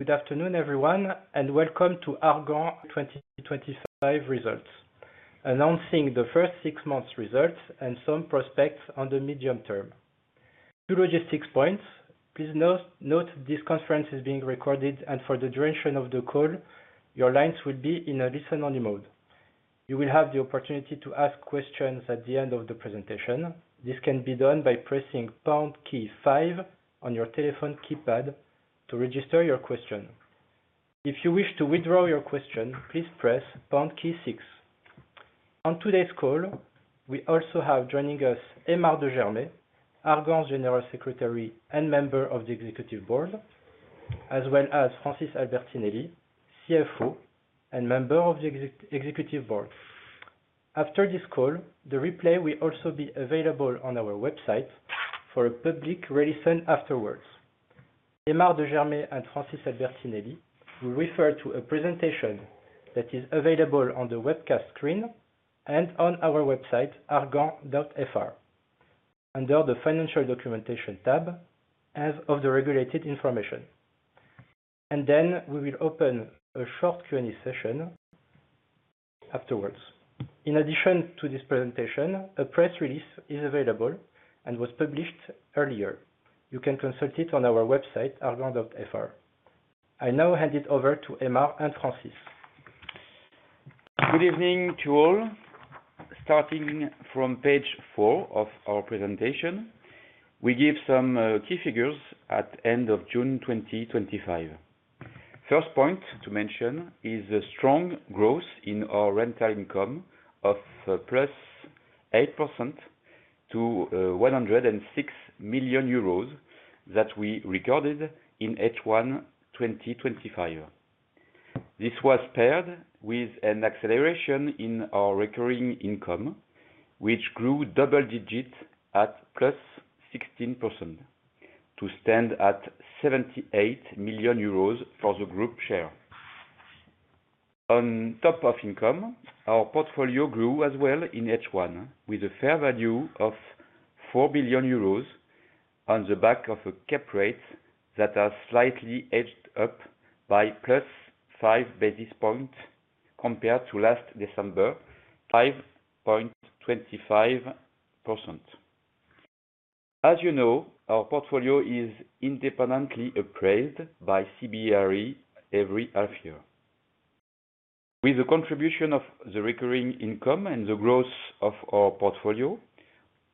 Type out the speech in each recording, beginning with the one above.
Good afternoon everyone and welcome to ARGAN 2025 results announcing the first six months results and some prospects on the medium term logistics points. Please note this conference is being recorded and for the duration of the call your lines will be in a listen only mode. You will have the opportunity to ask questions at the end of the presentation. This can be done by pressing key five on your telephone keypad to register your question. If you wish to withdraw your question, please press key six. On today's call we also have joining us Aymar de GERMAY, ARGAN's General Secretary and Member of the Executive Board, as well as Francis Albertinelli, CFO and Member of the Executive Board. After this call the replay will also be available on our website for a public re-session. Afterwards Aymar de GERMAY and Francis Albertinelli will refer to a presentation that is available on the webcast screen and on our website argan.fr under the Financial Documentation tab as of the regulated information and then we will open a short Q and A session afterwards. In addition to this presentation a press release is available and was published earlier. You can consult it on our website argan.fr. I now hand it over to Aymar and Francis. Good evening to all. Starting from page four of our presentation, we give some key figures at end of June 2025. First point to mention is the strong growth in our rental income of 8% to 106 million euros that we recorded in H1 2025. This was paired with an acceleration in our recurring net income, which grew double digit at plus 16% to stand at 78 million euros for the group share on top of income. Our portfolio grew as well in H1 with a fair value of 4 billion euros on the back of a cap rate that has slightly edged up by five basis points compared to last December, 5.25%. As you know, our portfolio is independently appraised by CBRE every half year. With the contribution of the recurring net income and the growth of our portfolio,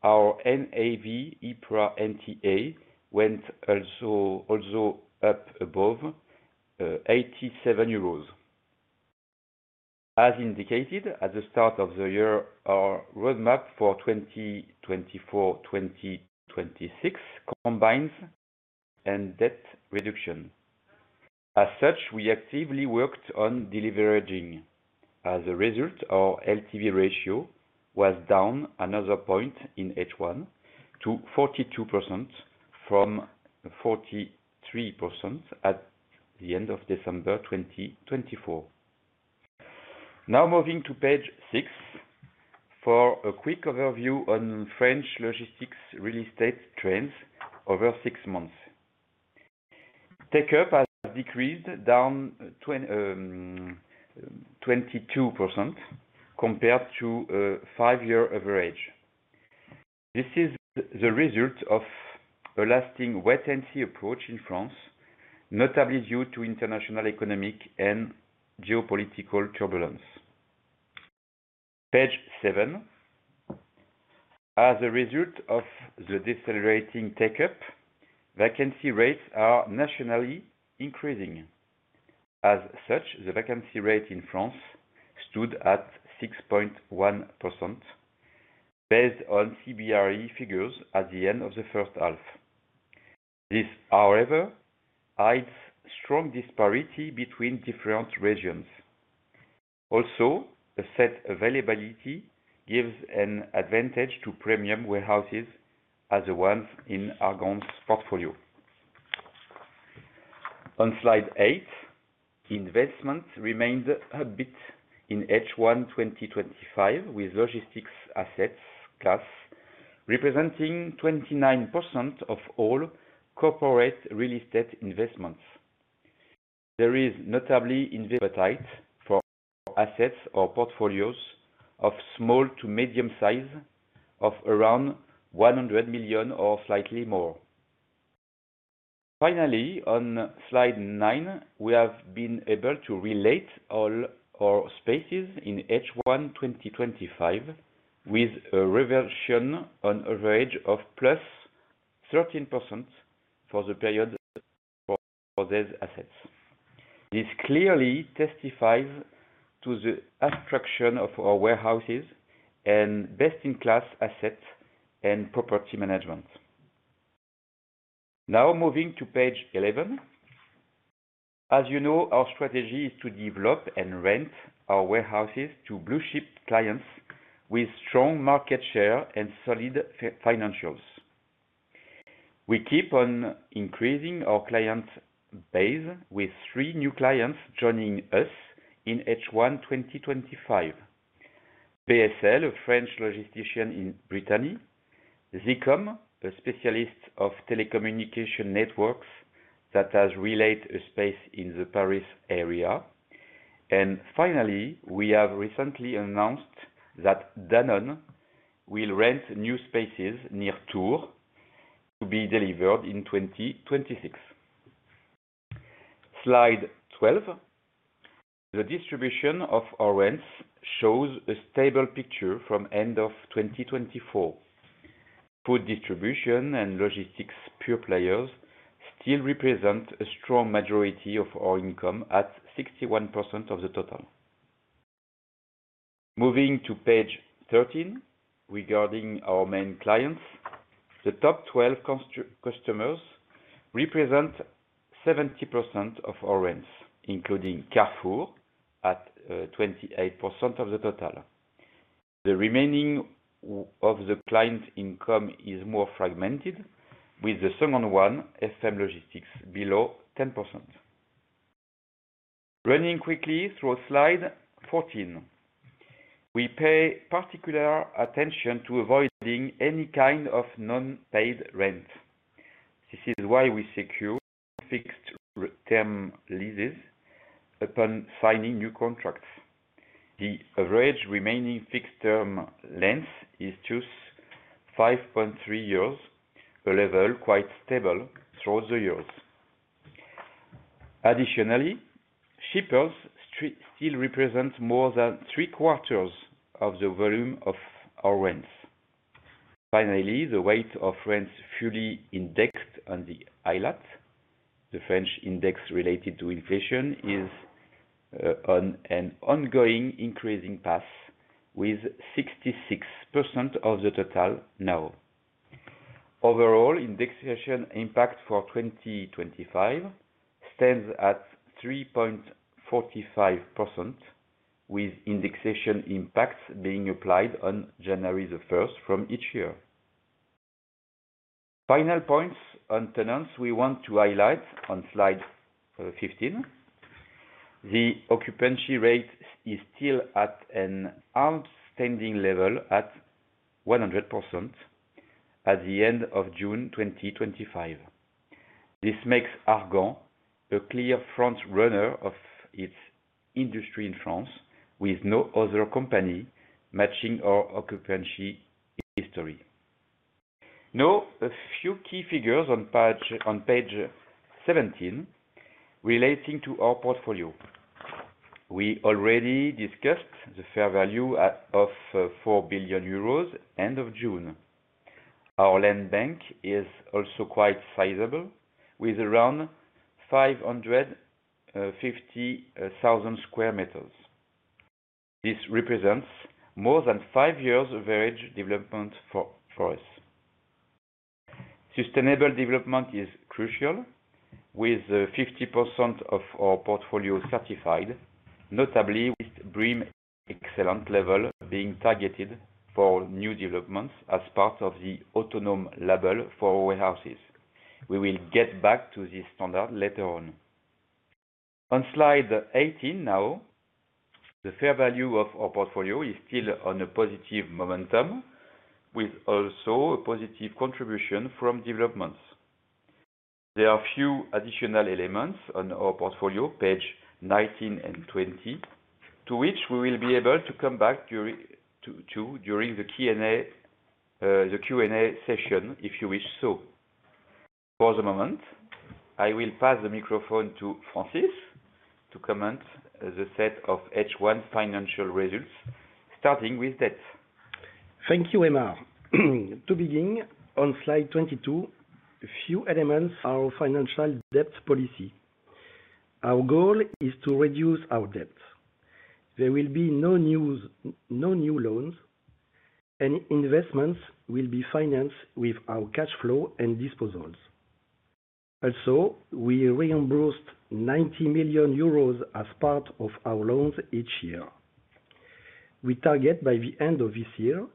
our EPRA NTA went also up above 87 euros as indicated at the start of the year. Our roadmap for 2024-2026 combines asset sale process and debt reduction. As such, we actively worked on deleveraging. As a result, our LTV ratio was down another point in H1 to 42% from 43% at the end of December 2024. Now moving to page six for a quick overview on French logistics real estate trends. Over six months, logistics take-up has decreased down 22% compared to five-year average. This is the result of a lasting wait and see approach in France, notably due to international economic and geopolitical turbulence. Page seven, as a result of the decelerating take-up, vacancy rates are nationally increasing. As such, the vacancy rate in France stood at 6.1% based on CBRE figures at the end of the first half. This, however, hides strong disparity between different regions. Also, asset availability gives an advantage to premium warehouses as the ones in ARGAN's portfolio. On slide eight, investment remained a bit in H1 2025 with logistics assets representing 29% of all corporate real estate investments. There is notably invest appetite for assets or portfolios of small to medium size of around 100 million or slightly more. Finally, on slide nine, we have been able to relet all our spaces in H1 2025 with a reversion on average of plus 13% for the period for these assets. This clearly testifies to the attraction of our warehouses and best-in-class assets and property management. Now moving to page eleven, as you know, our strategy is to develop and rent our warehouses to blue-chip clients with strong market share and solid financials. We keep on increasing our client base with three new clients joining us in H1 2025: BSL, a French logistician in Brittany; ZyCOM, a specialist of telecommunication networks that has leased a space in the Paris area; and finally, we have recently announced that Danone will rent new spaces near Tours to be delivered in 2026. Slide 12, the distribution of our rents shows a stable picture from end of 2024. Food distribution and logistics pure players still represent a strong majority of our income, at least 61% of the total. Moving to page 13 regarding our main clients, the top 12 customers represent 70% of our rents, including Carrefour at 28% of the total. The remaining of the client income is more fragmented, with the second one, FM Logistics, below 10%. Running quickly through slide 14, we pay particular attention to avoiding any kind of non-paid rent. This is why we secure fixed term leases upon signing new contracts. The average remaining fixed term length is just 5.3 years, a level quite stable throughout the years. Additionally, shippers still represent more than three quarters of the volume of our rents. Finally, the weight of rents fully indexed on the ILAC, the French index related to inflation, is on an ongoing increasing path with 66% of the total net. Now, overall indexation impact for 2025 stands at 3.45%, with indexation impacts being applied on January 1st from each year. Final points on tenants we want to highlight on slide 15. The occupancy rate is still at an outstanding level at 100% at the end of June 2025. This makes ARGAN a clear frontrunner of its industry in France, with no other company matching our occupancy history. Now a few key figures on page 17 relating to our portfolio. We already discussed the fair value of 4 billion euros end of June. Our land bank is also quite sizable, with around 550,000 square meters. This represents more than five years average development for us. Sustainable development is crucial, with 50% of our portfolio certified, notably with BREEAM Excellent level being targeted for new developments as part of the Aut0nom label for warehouses. We will get back to this standard later on slide 18. Now, the fair value of our portfolio is still on a positive momentum, with also a positive contribution from developments. There are few additional elements on our portfolio, page 19 and 20, to which we will be able to come back during the Q and A session if you wish. For the moment, I will pass the microphone to Francis to comment the set of H1 financial results, starting with debt. Thank you, Aymar. To begin on slide 22, a few elements. Our financial debt policy: our goal is to reduce our debt. There will be no new loans. Any investments will be financed with our cash flow and disposals. Also, we reimbursed 90 million euros as part of our loans each year. We target by the end of this year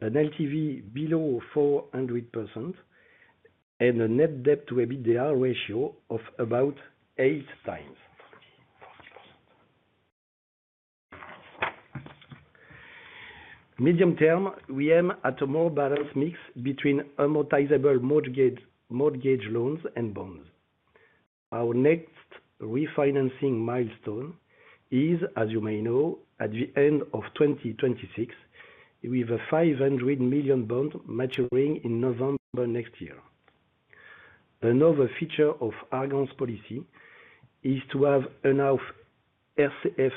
an LTV below 400% and a net debt to EBITDA ratio of about 8 times medium term. We aim at a more balanced mix between amortizable mortgage loans and bonds. Our next refinancing milestone is, as you may know, at the end of 2026 with a 500 million bond maturing in November next year. Another feature of ARGAN's policy is to have enough [SF]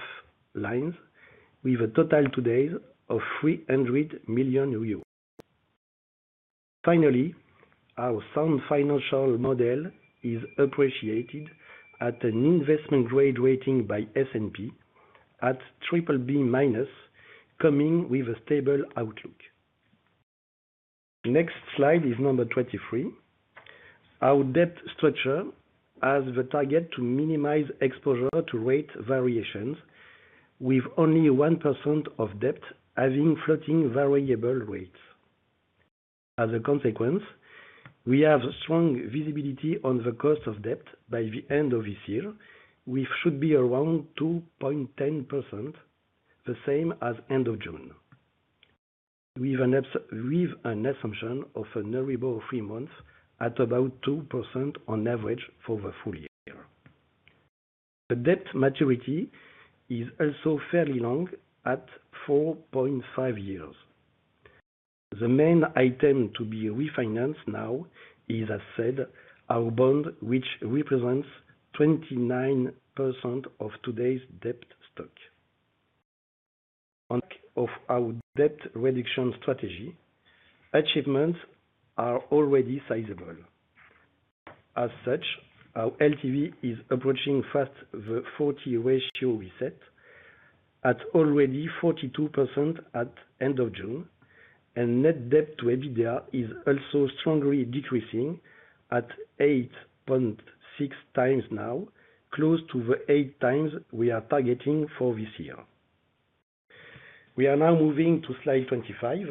lines with a total today of 300 million euros. Finally, our sound financial model is appreciated at an investment grade rating by S&P at BBB- coming with a stable outlook. Next slide is number 23. Our debt structure has the target to minimize exposure to rate variations, with only 1% of debt having floating variable rates. As a consequence, we have strong visibility on the cost of debt. By the end of this year we should be around 2.10%, the same as end of June with an assumption of an average three months at about 2% on average for the full year. The debt maturity is also fairly long at 4.5 years. The main item to be refinanced now is, as said, our bond which represents 29% of today's debt stock. On top of our debt reduction strategy, achievements are already sizable. As such, our LTV is approaching fast the 40% ratio we set, at already 42% at end of June, and net debt to EBITDA is also strongly decreasing at 8.6x now, close to the 8x we are targeting for this year. We are now moving to slide 25.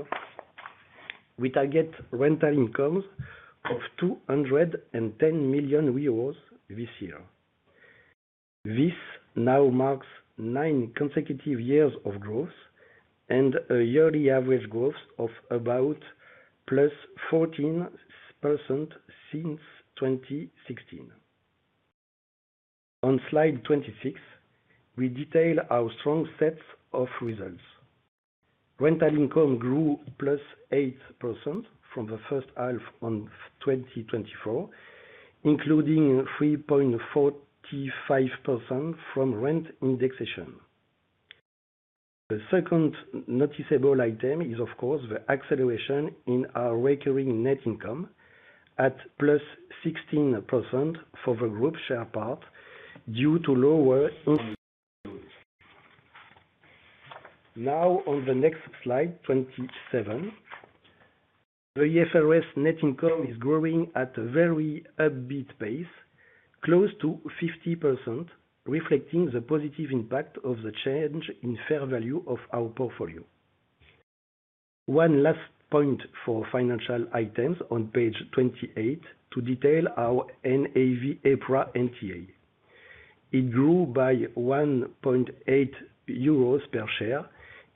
We target rental incomes of 210 million euros this year. This now marks nine consecutive years of growth and a yearly average growth of about +14% since 2016. On slide 26 we detail our strong sets of results. Rental income grew +8% from the first half of 2024, including 3.45% from rent indexation. The second noticeable item is of course the acceleration in our recurring net income at 16% for the group share part due to lower income. Now on the next slide 27 the IFRS net income is growing at a very upbeat pace, close to 50%, reflecting the positive impact of the change in fair value of our portfolio. One last point for financial items on page 28 to detail our NAV EPRA NTA: it grew by 1.8 euros per share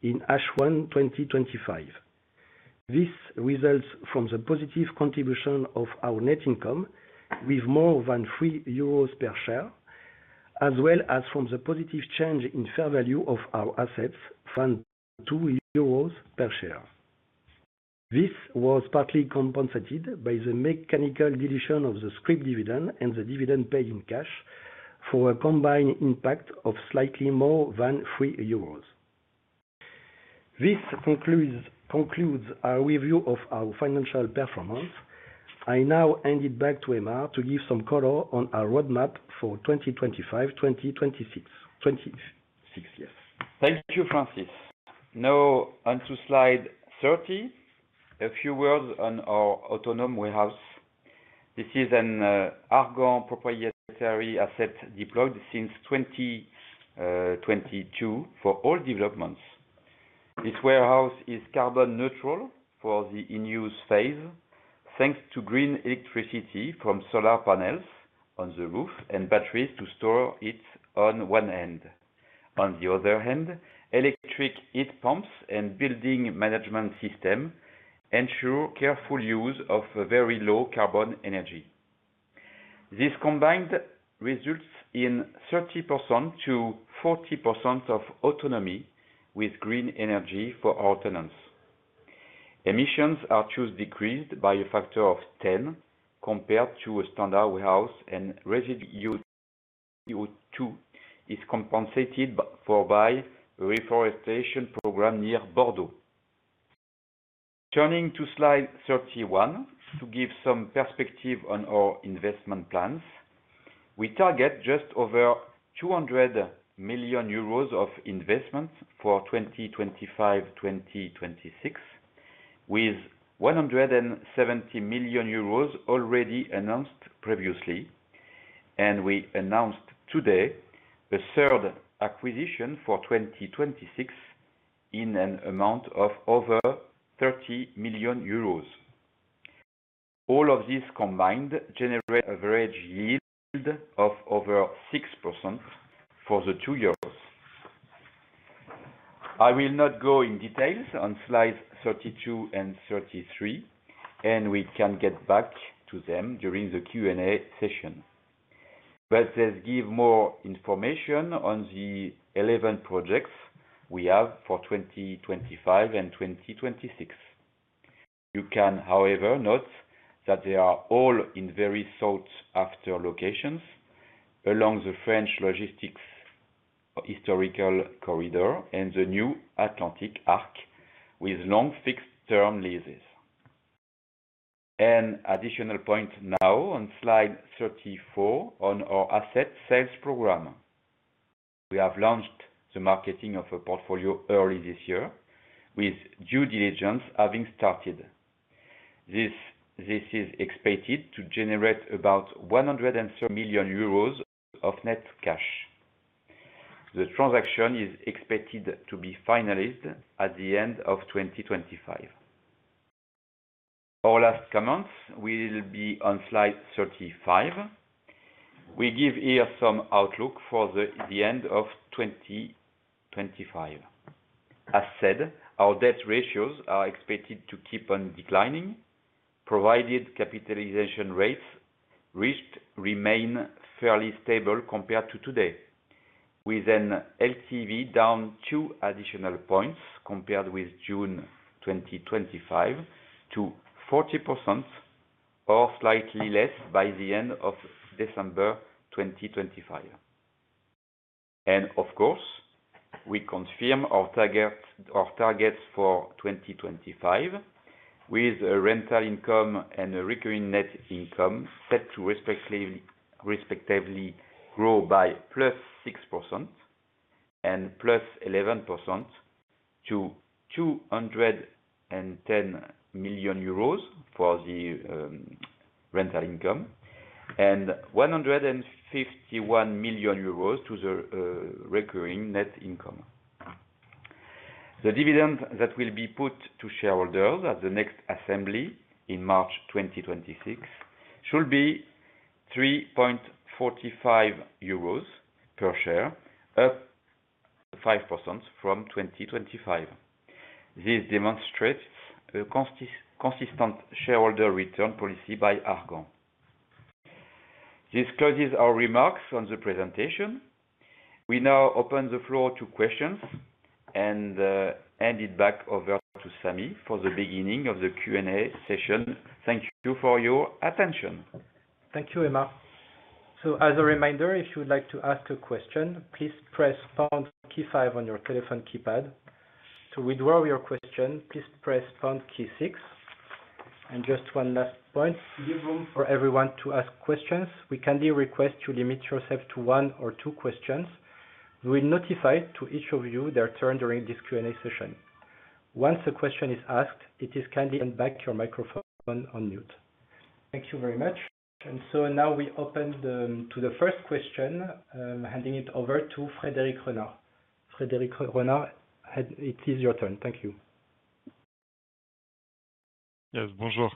in H1 2025. This results from the positive contribution of our net income with more than 3 euros per share, as well as from the positive change in fair value of our assets, around 2 euros per share. This was partly compensated by the mechanical deletion of the scrip dividend and the dividend paid in cash for a combined impact of slightly more than 3 euros. This concludes our review of our financial performance. I now hand it back to Aymar de GERMAY to give some color on our roadmap for 2025 and 2026. Yes, thank you Francis. Now on to slide 30. A few words on our Aut0nom warehouse. This is an ARGAN proprietary asset deployed since 2022 for all developments. This warehouse is carbon neutral for the in use phase thanks to green electricity from solar panels on the roof and batteries to store it on one end. On the other hand, electric heat pumps and building management system ensure careful use of very low carbon energy. This combined results in 30%-40% of autonomy with green energy for our tenants. Emissions are thus decreased by a factor of 10 compared to a standard warehouse and residue is compensated for by a reforestation program near Bordeaux. Turning to slide 31 to give some perspective on our investment plans. We target just over 200 million euros of investments for 2025-2026 with 170 million euros already announced previously and we announced today a third acquisition for 2026 in an amount of over 30 million euros. All of these combined generate average yield of over 6% for the 2 euros. I will not go in details on slides 32 and 33 and we can get back to them during the Q&A session. Let's give more information on the 11 projects we have for 2025 and 2026. You can, however, note that they are all in very sought after locations along the French logistics historical corridor and the Atlantic Arc with long fixed term leases. Additional points now on slide 34 on our asset sale process, we have launched the marketing of a portfolio early this year with due diligence having started. This is expected to generate about 130 million euros of net cash. The transaction is expected to be finalized at the end of 2025. Our last comments will be on slide 35. We give here some outlook for the end of 2025. As said, our debt ratios are expected to keep on declining provided cap rates remain fairly stable compared to today with an LTV down two additional points compared with June 2025 to 40% or slightly less by the end of December 2025. Of course, we confirm our targets for 2025 with rental income and recurring net income set to respectively grow by +6% and +11% to 210 million euros for the rental income and 151 million euros for the recurring net income. The dividend that will be put to shareholders at the next assembly in March 2026 should be 3.45 euros per share, up 5% from 2025. This demonstrates a consistent shareholder return policy by ARGAN. This closes our remarks on the presentation. We now open the floor to questions and hand it back over to Samy for the beginning of the Q&A session. Thank you for your attention. Thank you, Aymar. As a reminder, if you would like to ask a question, please press key five on your telephone keypad. To withdraw your question, please press key six. Just one last point, leave room. For everyone to ask questions, we kindly request you limit yourself to one or two questions. We will notify each of you of your turn during this Q&A session. Once a question is asked, please kindly hand back your microphone on mute. Thank you very much. Now we open to the first question, handing it over to Frederic Renard. Frederic Renard, it is your turn. Thank you. Yes, bonjour.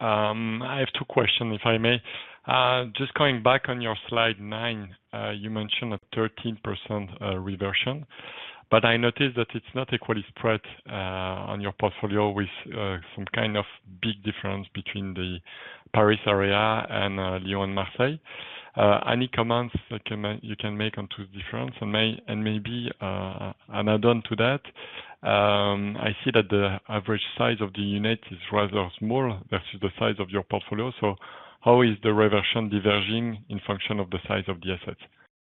I have two questions, if I may. Just going back on your slide 9, you mentioned a 13% reversion, but I noticed that it's not equally spread on your portfolio, with some kind of big difference between the Paris area and Lyon Marseille. Any comments you can make on those differences, and maybe an add-on to that, I think I see that the average size of the unit is rather small versus the size of your portfolio. How is the reversion diverging in function of the size of the assets?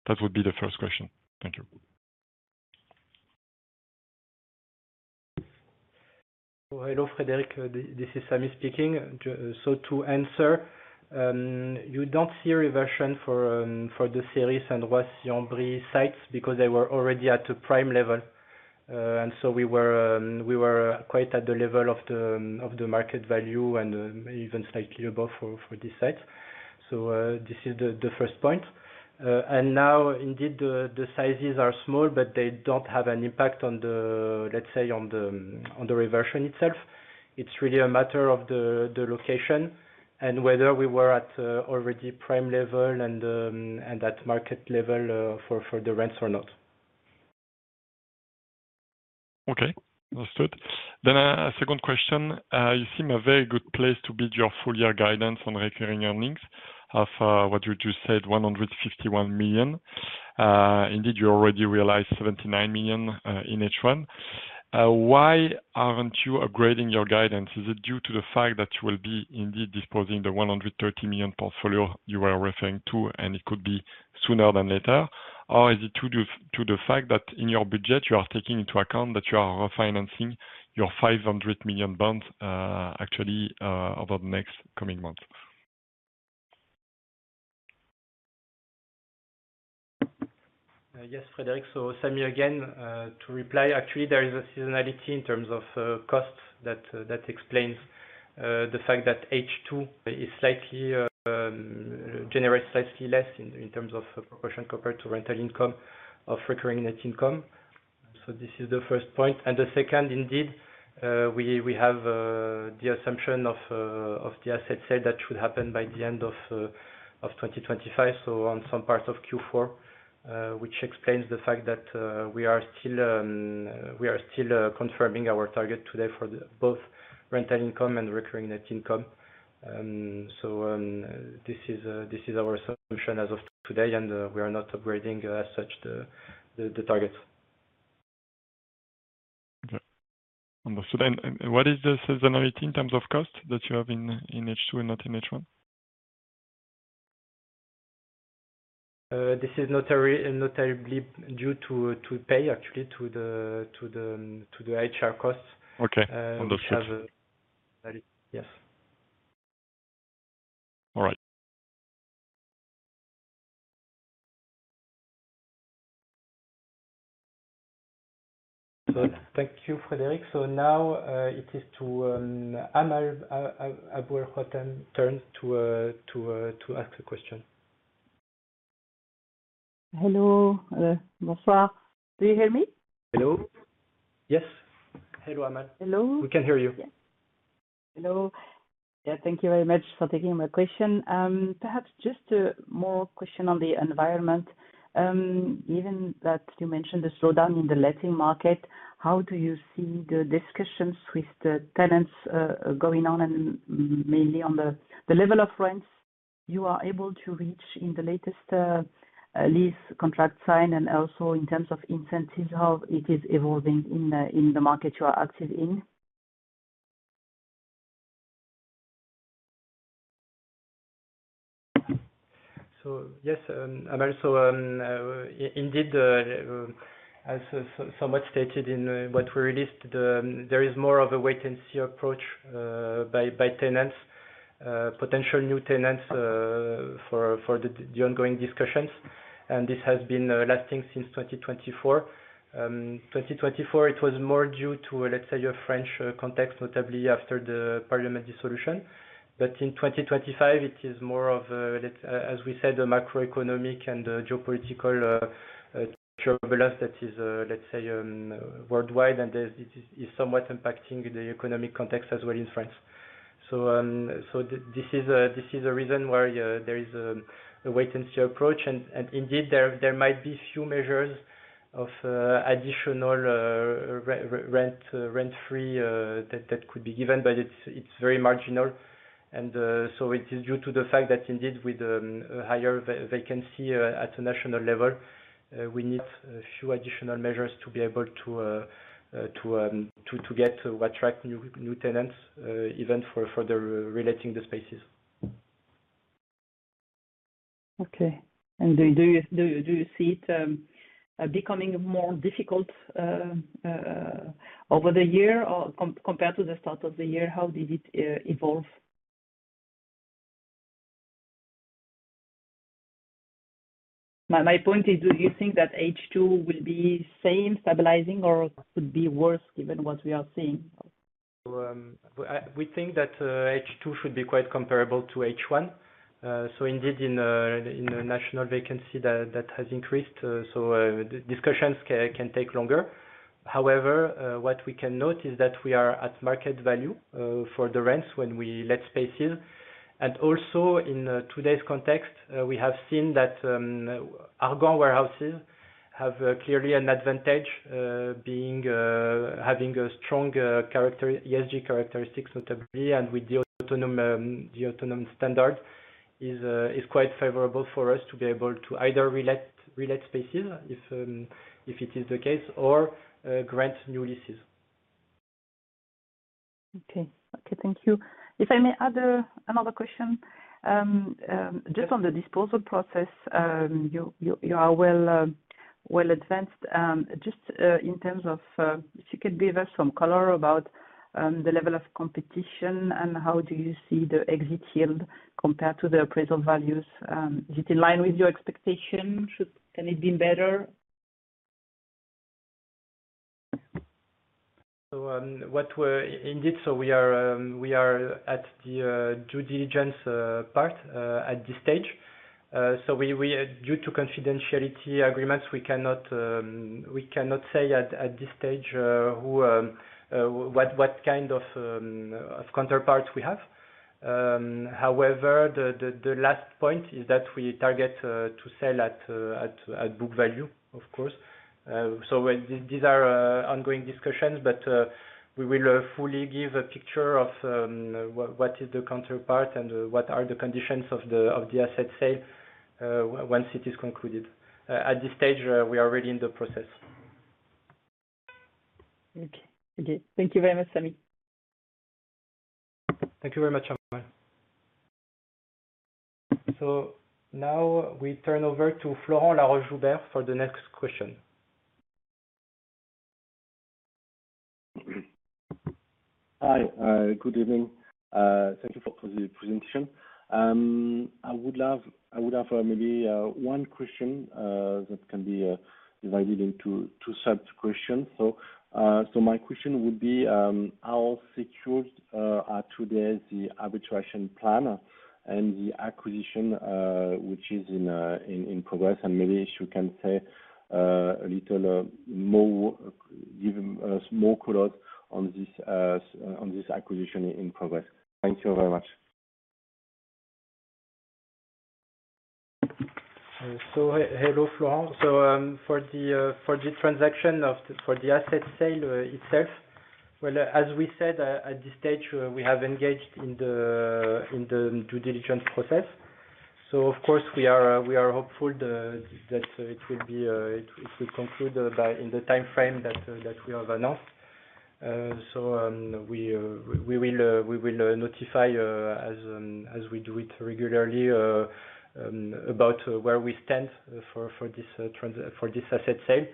That would be the first question. Thank you. Hello Frederic, this is Samy speaking. To answer, you don't see a reversion for the [series] and sites because they were already at the prime level. We were quite at the level of the market value and even slightly above for this site. This is the first point. Indeed, the sizes are small, but they don't have an impact on the reversion itself. It's really a matter of the location and whether we were already at prime level and at market level for the rents or not. Okay, understood. A second question. You seem in a very good place to beat your full year guidance on recurring earnings of what you just said, 151 million. Indeed, you already realized 79 million in H1. Why aren't you upgrading your guidance? Is it due to the fact that you will be indeed disposing the 130 million portfolio you are referring to and it could be sooner than later? Is it due to the fact that in your budget you are taking into account that you are refinancing your 500 million bonds actually over the next coming months? Yes, Frederic. Samir again to reply, actually there is a seasonality in terms of costs that explains the fact that H2 generates slightly less in terms of proportion compared to rental income of recurring net income. This is the first point. The second, indeed we have the assumption of the asset sale that should happen by the end of 2025 on some parts of Q4, which explains the fact that we are still confirming our target today for both rental income and recurring net income. This is our assumption as of today and we are not upgrading as such the target. What is the seasonality in terms of cost that you have in H2 and not in H1? This is notably due to actually to the HR costs. Okay. Yes. All right. Thank you, Frederic. Now it is Amal Abu Hotam's turn to ask a question. Hello, do you hear me? Hello? Yes, hello, Amal. Hello, we can hear you. Hello, thank you very much for taking my question. Perhaps just more question on the environment, given that you mentioned the slowdown in the letting market, how do you see the discussions with the tenants going on, and mainly on the level of rents you are able to reach in the latest lease contract sign, and also in terms of incentives, how it is evolving in the market you are active in? Yes, I'm also indeed, as somewhat stated in what we released, there is more of a wait and see approach by tenants, potential new tenants for the ongoing discussions. This has been lasting since 2024. In 2024 it was more due to, let's say, a French context, notably after the Parliament dissolution. In 2025 it is more of, as we said, the macroeconomic and geopolitical, that is, let's say, worldwide. It is somewhat impacting the economic context as well in France. This is a reason why there is a wait and see approach. Indeed, there might be few measures of additional rent free that could be given, but it's very marginal. It is due to the fact that indeed, with higher vacancy at a national level, we need a few additional measures to be able to attract new tenants, even for further relating the spaces. Okay, and do you see it becoming more difficult over the year, or compared to the start of the year, how did it evolve? My point is, do you think that H2 will be the same, stabilizing, or could be worse, given what we are seeing? We think that H2 should be quite comparable to H1. Indeed, national vacancy has increased, so discussions can take longer. However, what we can note is that we are at market value for the rents when we let spaces. Also, in today's context, we have seen that ARGAN warehouses have clearly an advantage. Having strong ESG characteristics, notably, and with the Aut0nom standard is quite favorable for us to be able to either relate spaces, if it is the case, or grant new leases. Thank you. If I may add another question, just on the asset sale process, you are well advanced just in terms of. If you could give us some color about the level of competition and how do you see the exit yield compared to the appraisal values? Is it in line with your expectation? Can it be better? Indeed. We are at the due diligence part at this stage. Due to confidentiality agreements, we cannot say at this stage what kind of counterparts we have. However, the last point is that we target to sell at book value, of course. These are ongoing discussions, but we will fully give a picture of what is the counterpart and what are the conditions of the asset sale. Once it is concluded at this stage, we are already in the process. Okay, thank you very much, Samy. Thank you very much, Amal. We now turn over to Florent Laroche-Joubert for the next question. Hi, good evening. Thank you for the presentation. I would have maybe one question that can be divided into two such questions. My question would be how secured are today the arbitration plan and the acquisition which is in progress. Maybe you can say a little more, give us more colors on this acquisition in progress. Thank you very much. So. Hello, Florent. For the transaction, for the asset sale itself, as we said, at this stage we have engaged in the due diligence process. Of course, we are hopeful that it will be concluded in the time frame that we have announced. We will notify, as we do it regularly, about where we stand for this asset sale.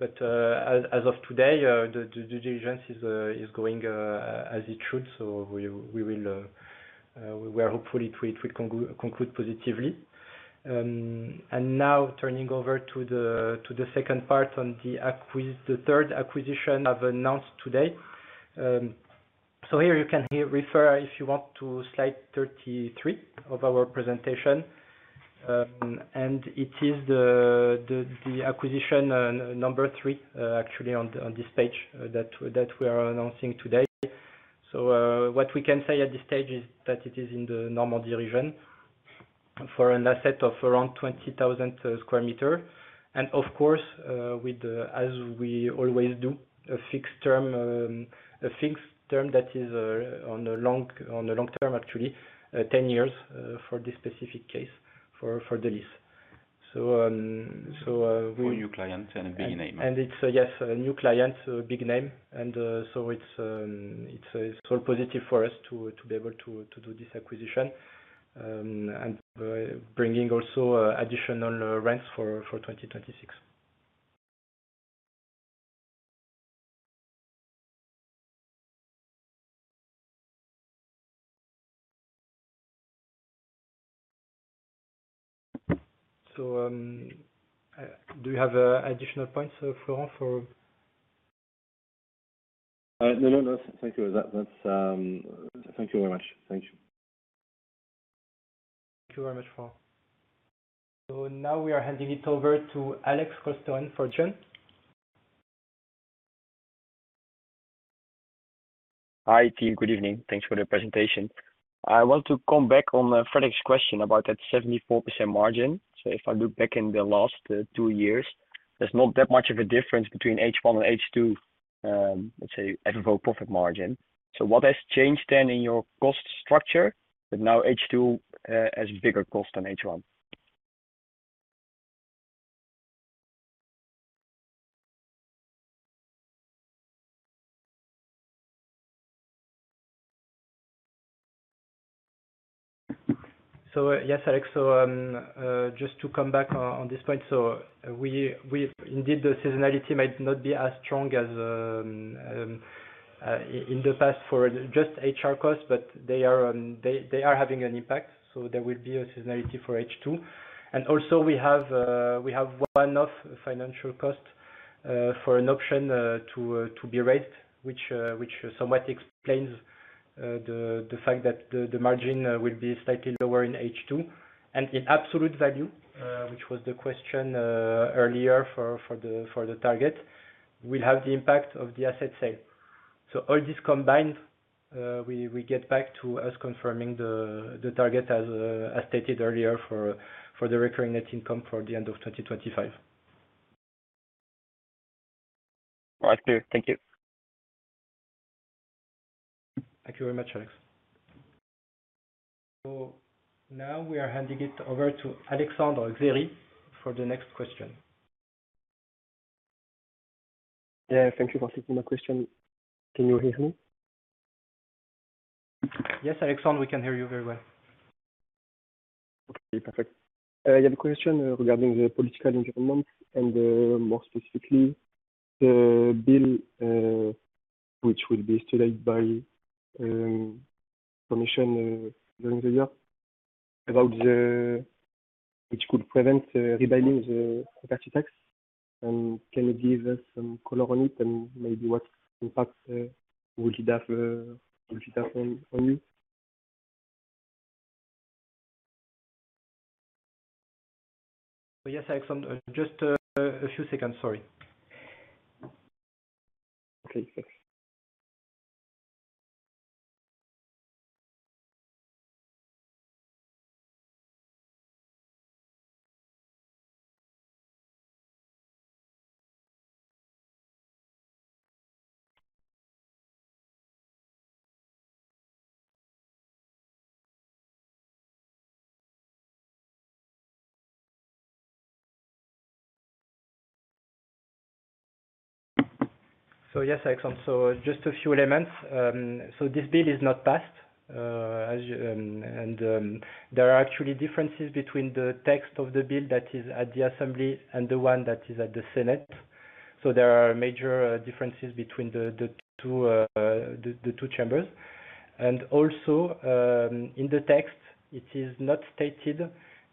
As of today, the due diligence is going as it should. We are hopeful it will conclude positively. Now turning over to the second part on the third acquisition I've announced today. Here you can refer, if you want, to slide 33 of our presentation. It is the acquisition number three actually on this page that we are announcing today. What we can say at this stage is that it is in the normal derivation for an asset of around 20,000 square meters. Of course, as we always do, a fixed term. A fixed term that is on the long term, actually 10 years for this specific case, for the lease. Two new. Clients and a big name. Yes, it's a new client, big name. It's all positive for us to be able to do this acquisition and bringing also additional rents for 2026. Do you have additional points? No, no, no. Thank you. Thank you very much. Thank you. Thank you very much. Now we are handing it over to Alex Coston for [John]. Hi, good evening. Thanks for the presentation. I want to come back on Frederick's question about that 74% margin. If I look back in the last two years, there's not that much of a difference between H1 and H2, let's say FFO profit margin. What has changed then in your cost structure? Now H2 has bigger cost than H1. Yes, Alex. Just to come back on this point, we indeed see the seasonality might not be as strong as in the past for just HR costs, but they are having an impact. There will be a seasonality for H2, and also we have one-off financial cost for an option to be raised, which somewhat explains the fact that the margin will be slightly lower in H2 and in absolute value, which was the question earlier. For the target, we will have the impact of the asset sale. All this combined, we get back to us confirming the target as stated earlier for the recurring net income for the end of 2025. All right, clear. Thank you. Thank you very much, Alex. Now we are handing it over to Alexandre Xeri for the next question. Thank you for taking the question. Can you hear me? Yes, Alexandre, we can hear you very well. Okay, perfect. I have a question regarding the political environment and more specifically the bill which will be studied by commission during the year, which could prevent rebalance Apache tax. Can you give us some color on it and maybe what impact would it have on you? Yes, Alexander, just a few seconds. Sorry. Okay, thanks. Yes. Just a few elements. This bill is not passed and there are actually differences between the text of the bill that is at the assembly and the one that is at the senate. There are major differences between the two chambers. Also, in the text it is not stated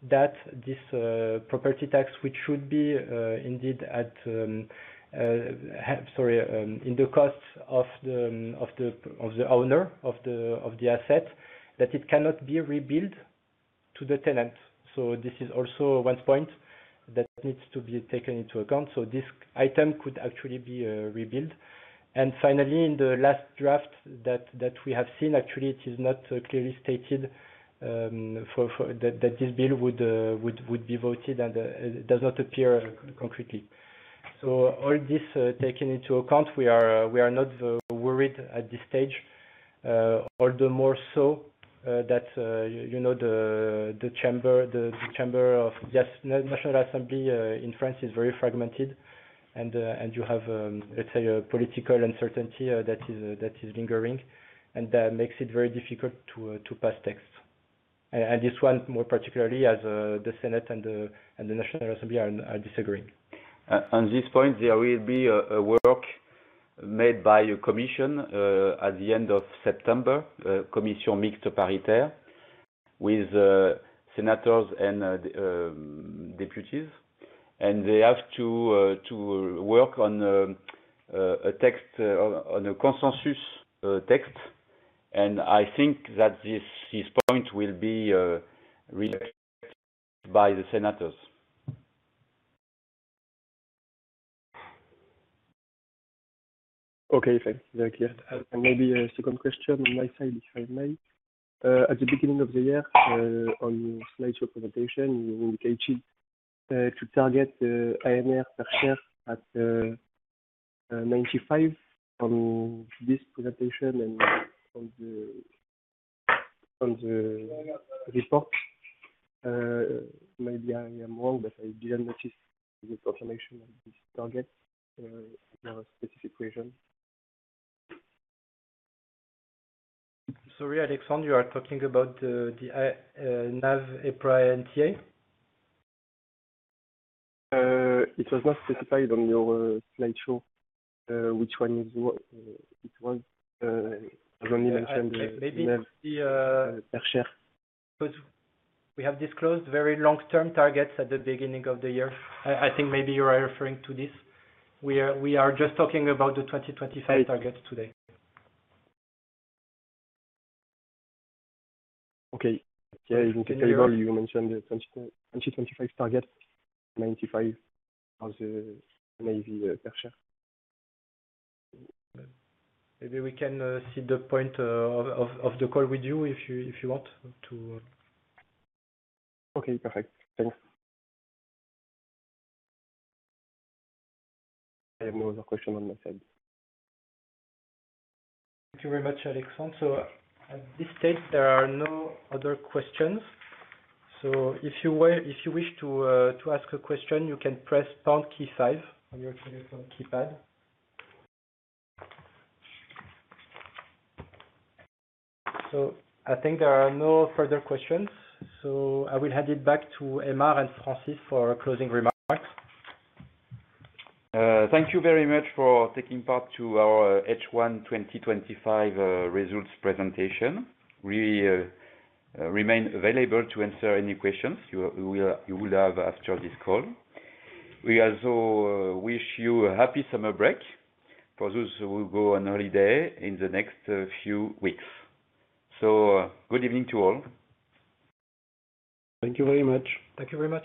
that this property tax, which should be indeed in the cost of the owner of the asset, cannot be rebilled to the tenant. This is also one point that needs to be taken into account. This item could actually be rebilled. Finally, in the last draft that we have seen, it is not clearly stated that this bill would be voted and does not appear concretely. All this taken into account, we are not worried at this stage. All the more so that, you know, the chamber of the national assembly in France is very fragmented and you have, let's say, a political uncertainty that is lingering and that makes it very difficult to pass texts. This one more particularly, as the Senate and the National Assembly are disagreeing. On this point there will be a work made by a commission at the end of September. The commission is mixed, with senators and deputies, and they have to work on a text, on a consensus text. I think that this point will be rejected by the senators. Okay, thanks. Very clear. Maybe a second question on my side, if I may. At the beginning of the year, on your slideshow presentation, you indicated to target [audio distoriton] at 95 on this presentation and on the report. Maybe I am wrong, but I didn't notice the confirmation of this target for a specific region. Sorry, Alexandre, you are talking about the EPRA NTA. It was not specified on your slideshow, which one is. Maybe we have disclosed very long term targets at the beginning of the year. I think maybe you are referring to this. We are just talking about the 2025 targets today. Okay, you mentioned 2025 target 95% of the [NAV]. Maybe we can see the point of the call with you if you want to. Okay, perfect. Thanks. I have no other question on my side. Thank you very much, Alexandre. At this stage, there are no other questions. If you wish to ask a question, you can press key five on your keypad. I think there are no further questions. I will hand it back to Aymar and Francis for closing remarks. Thank you very much for taking part in our H1 2025 results presentation. We remain available to answer any questions you will have after this call. We also wish you a happy summer break for those who go on holiday in the next few weeks. Good evening to all. Thank you very much. Thank you very much.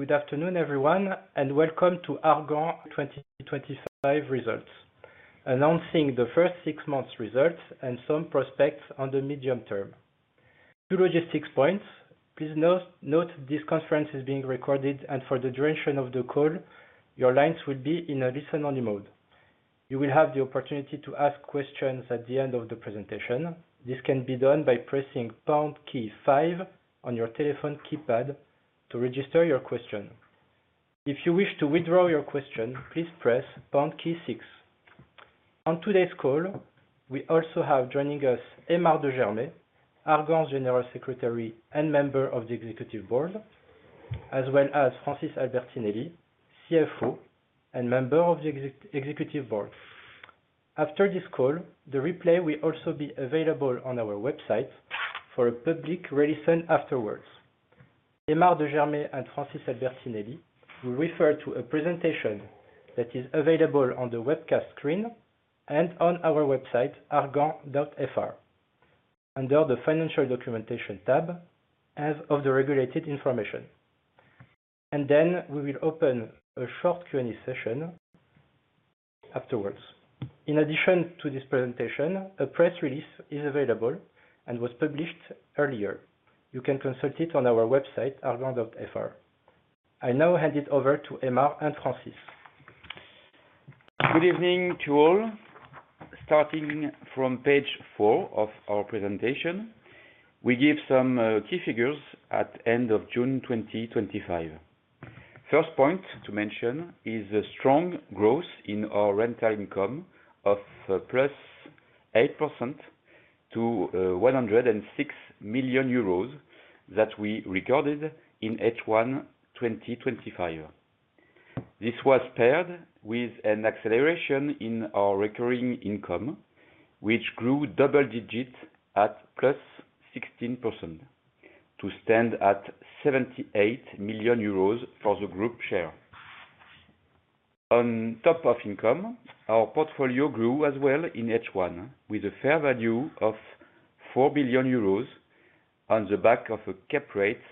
Good afternoon everyone and welcome to ARGAN 2025 results. Announcing the first six results and some prospects on the medium term logistics points. Please note this conference is being recorded and for the duration of the call your lines will be in a listen only mode. You will have the opportunity to ask questions at the end of the presentation. This can be done by pressing key five on your telephone keypad to register your question. If you wish to withdraw your question, please press key six on today's call. We also have joining us Aymar de GERMAY, ARGAN's General Secretary and Executive Board Member, as well as Francis Albertinelli, CFO and Executive Board Member. After this call, the replay will also be available on our website for a public reassign afterwards. Aymar de GERMAY and Francis Albertinelli will refer to a presentation that is available on the webcast screen and on our website argan.fr under the Financial documentation tab as of the regulated information and then we will open a short Q and A session afterwards. In addition to this presentation, a press release is available and was published earlier. You can consult it on our website argan.fr. I now hand it over to Aymar and Francis. Good evening to all. Starting from page four of our presentation, we give some key figures at end of June 2025. First point to mention is a strong growth in our rental income of +8% to 106 million euros that we recorded in H1 2025. This was paired with an acceleration in our recurring net income, which grew double digit at +16% to stand at 78 million euros for the group share. On top of income, our portfolio grew as well in H1 with a fair value of 4 billion euros on the back of a cap rate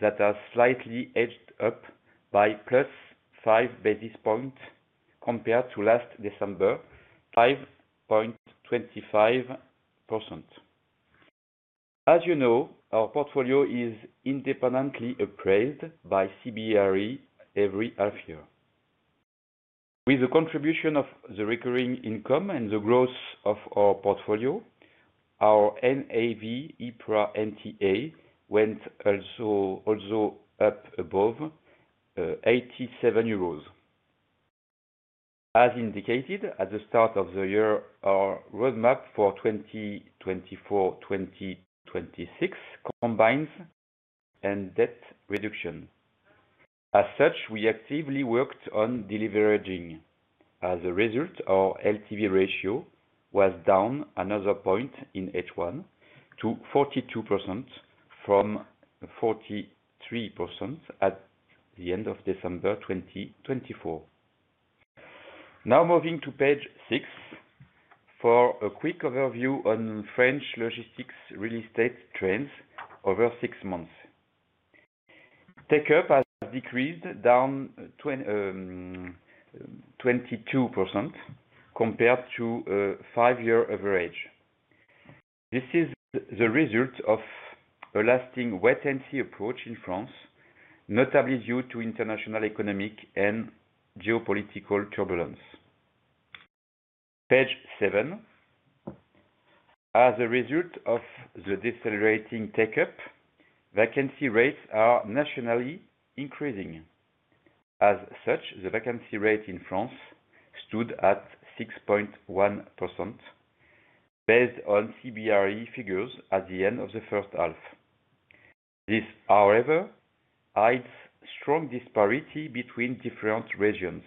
that has slightly edged up by +5 basis points compared to last December, 5.25%. As you know, our portfolio is independently appraised by CBRE every half year with the contribution of the recurring net income and the growth of our portfolio. Our EPRA NTA went also up above 87 euros as indicated at the start of the year, our roadmap for 2024, 2026 combined and debt reduction. As such, we actively worked on deleveraging. As a result, our LTV ratio was down another point in H1 to 42% from 43% at the end of December 2024. Now moving to page six for a quick overview on French logistics real estate trends. Over six months, logistics take-up has decreased down 22% compared to a five-year average. This is the result of a lasting wait-and-see approach in France, notably due to international economic and geopolitical turbulence. Page seven, as a result of the decelerating take-up, vacancy rates are nationally increasing. As such, the vacancy rate in France stood at 6.1% based on CBRE figures at the end of the first half. This, however, hides strong disparity between different regions.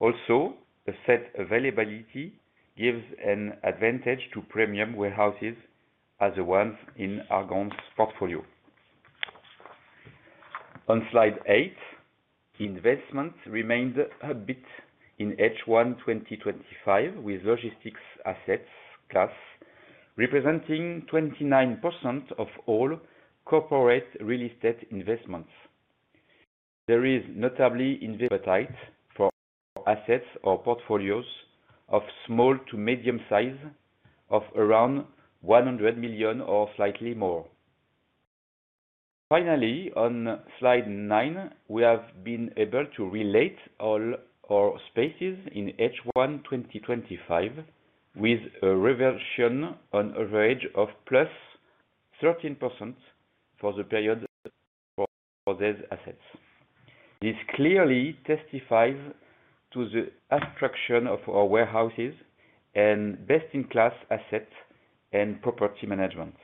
Also, the set availability gives an advantage to premium warehouses as the ones in ARGAN's portfolio. On slide eight, investment remained a bit muted in H1 2025 with logistics asset class representing 29% of all corporate real estate investment. There is notably investing appetite for assets or portfolios of small to medium size of around 100 million or slightly more. Finally, on slide nine, we have been able to relate all our spaces in H1 2025 with a reversion on a range of +13% for the period for these assets. This clearly testifies to the attraction of our warehouses and best-in-class assets and property management.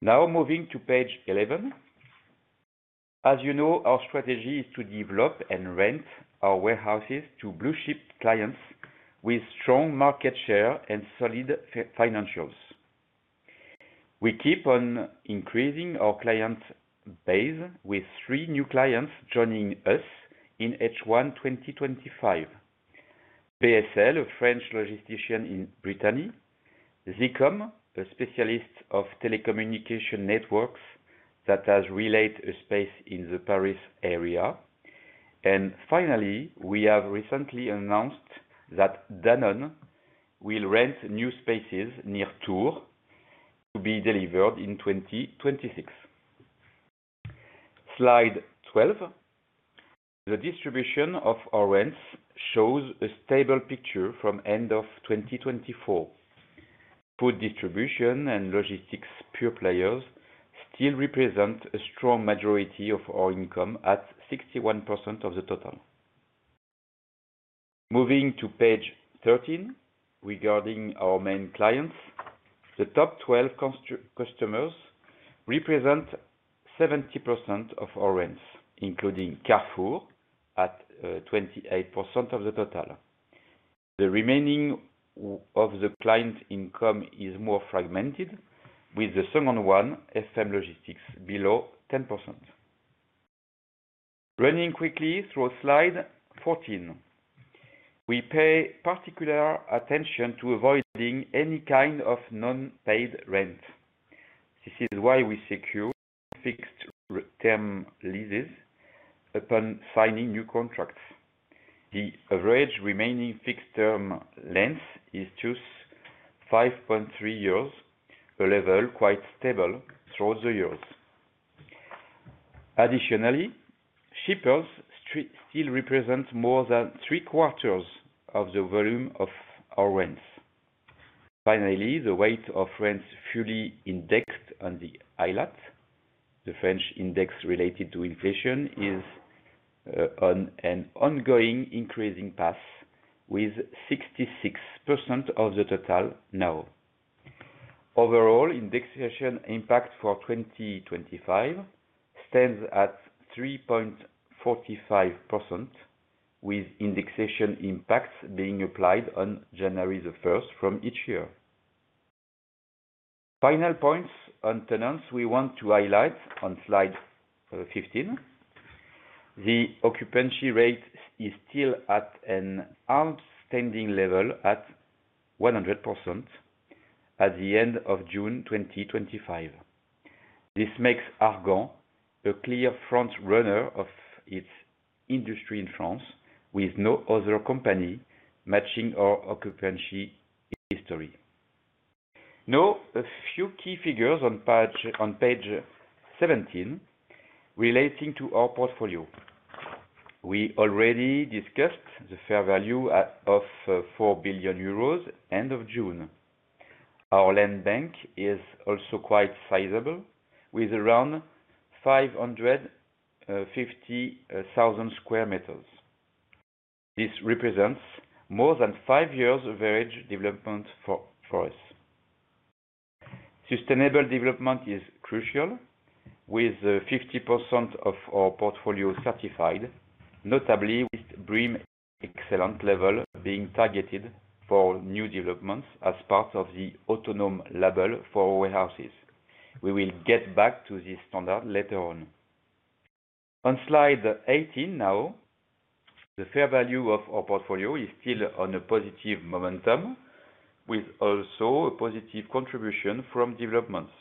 Now moving to page eleven, as you know, our strategy is to develop and rent our warehouses to blue-chip clients with strong market share and solid financials. We keep on increasing our client base with three new clients joining us in H1 2025: BSL, a French logistician in Brittany; ZyCOM, a specialist of telecommunication networks that has leased a space in the Paris area; and finally, we have recently announced that Danone will rent new spaces near Tours to be delivered in 2026. Slide 12, the distribution of our rents shows a stable picture from end of 2024. Food distribution and logistics pure players still represent a strong majority of our income at 61% of the total. Moving to page 13 regarding our main clients, the top 12 customers represent 70% of our rents, including Carrefour at 28% of the total. The remaining of the client income is more fragmented, with the second one FM Logistic below 10%. Running quickly through slide 14, we pay particular attention to avoiding any kind of non-paid rent. This is why we secure fixed-term leases upon signing new contracts. The average remaining fixed-term length is just 5.3 years, a level quite stable throughout the years. Additionally, shippers still represent more than three quarters of the volume of our rents. Finally, the weight of rents fully indexed on the ILAC, the French index related to inflation, is on an ongoing increasing path with 66% of the total. Now, overall indexation impact for 2025 stands at 3.45%, with indexation impacts being applied on January 1st from each year. Final points on tenants we want to highlight on slide 15. The occupancy rate is still at an outstanding level at 100% at the end of June 2025. This makes ARGAN a clear front runner of its industry in France, with no other company matching our occupancy history. Now, a few key figures on page 17 relating to our portfolio. We already discussed the fair value of 4 billion euros end of June. Our land bank is also quite sizable, with around 550,000 square meters. This represents more than five years average development for us. Sustainable development is crucial, with 50% of our portfolio certified, notably with BREEAM Excellent level being targeted for new developments as part of the Aut0nom label for warehouses. We will get back to this standard later on slide 18. Now, the fair value of our portfolio is still on a positive momentum, with also a positive contribution from developments.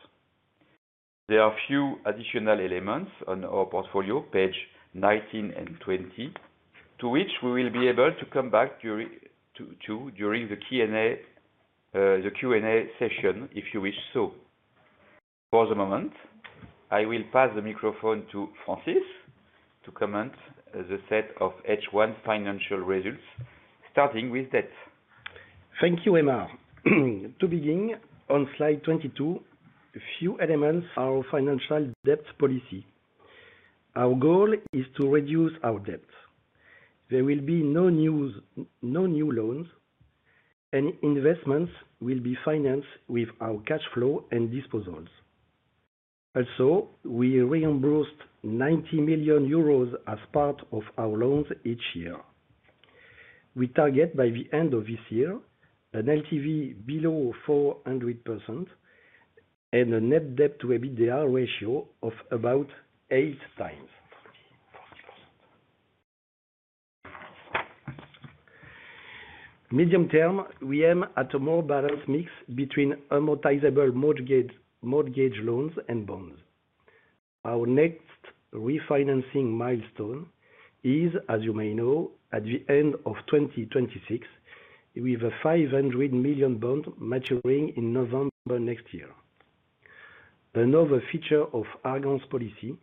There are few additional elements on our portfolio, page 19 and 20, to which we will be able to come back to during the Q&A session if you wish. For the moment, I will pass the microphone to Francis to comment the set of H1 financial results, starting with debt. Thank you, Aymar. To begin on slide 22, a few elements on our financial debt policy. Our goal is to reduce our debt. There will be no new loans, and investments will be financed with our cash flow and disposals. Also, we reimbursed 90 million euros as part of our loans each year. We target by the end of this year an LTV below 400% and a net debt to EBITDA ratio of about 8 times medium term. We aim at a more balanced mix between amortizable mortgage loans and bonds. Our next refinancing milestone is, as you may know, at the end of 2026 with a 500 million bond maturing in November next year. Another feature of ARGAN's policy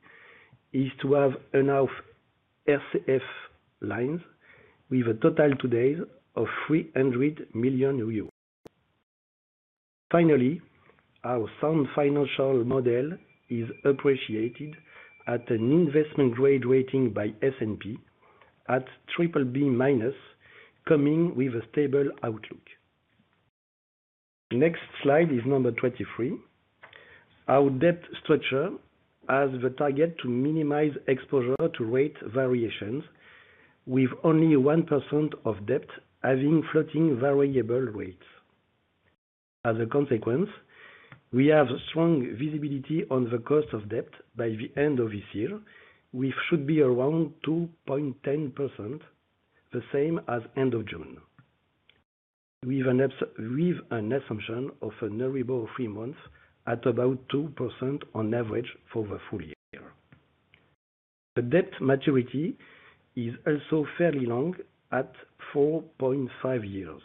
is to have enough [SF] lines, with a total today of 300 million euros. Finally, our sound financial model is appreciated at an investment grade rating by S&P, BBB-, coming with a stable outlook. Next slide is number 23. Our debt structure has the target to minimize exposure to rate variations, with only 1% of debt having floating variable rates. As a consequence, we have strong visibility on the cost of debt by the end of this year, which should be around 2.10%, the same as end of June, with an assumption of an average three months at about 2% on average for the full year. The debt maturity is also fairly long at 4.5 years.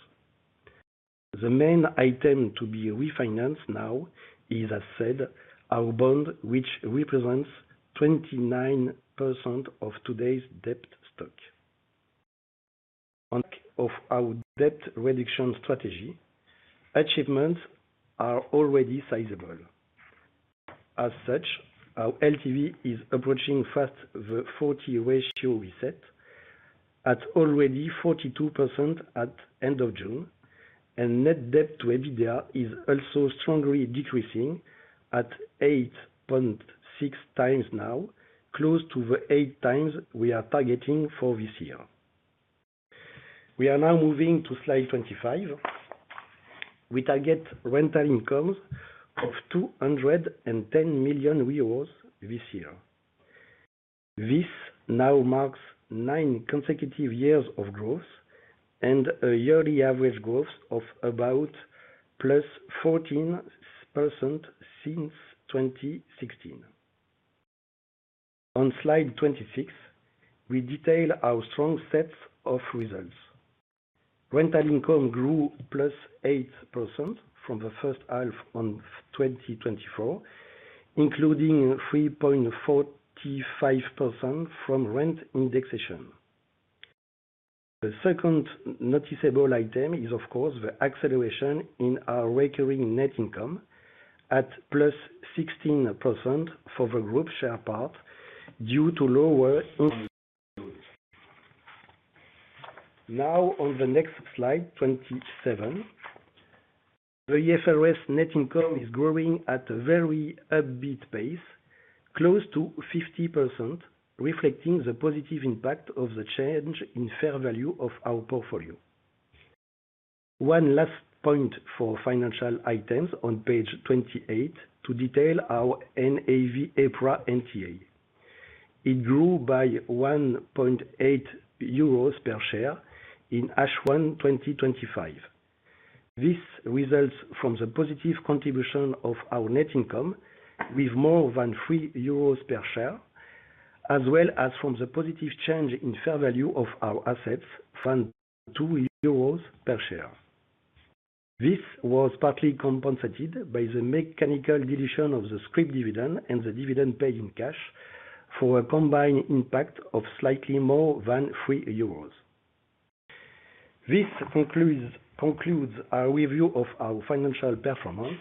The main item to be refinanced now is, as said, our bond, which represents 29% of today's debt stock. On top of our debt reduction strategy, achievements are already sizable. As such, our LTV is approaching fast the 40% ratio we set, at already 42% at end of June, and net debt to EBITDA is also strongly decreasing at 8.6x, now close to the 8x we are targeting for this year. We are now moving to slide 25. We target rental incomes of 210 million euros this year. This now marks nine consecutive years of growth and a yearly average growth of about +14% since 2016. On slide 26, we detail our strong set of results. Rental income grew +8% from the first half of 2024, including 3.45% from rent indexation. The second noticeable item is, of course, the acceleration in our recurring net income at 16% for the group share part due to lower income. Now on the next slide, 27, the IFRS net income is growing at a very upbeat pace, close to 50%, reflecting the positive impact of the change in fair value of our portfolio. One last point for financial items on page 28, to detail our NAV EPRA NTA, it grew by 1.8 euros per share in H1 2025. This results from the positive contribution of our net income with more than 3 euros per share as well as from the positive change in fair value of our assets, funded 2 euros per share. This was partly compensated by the mechanical deletion of the scrip dividend and the dividend paid in cash for a combined impact of slightly more than 3 euros. This concludes our review of our financial performance.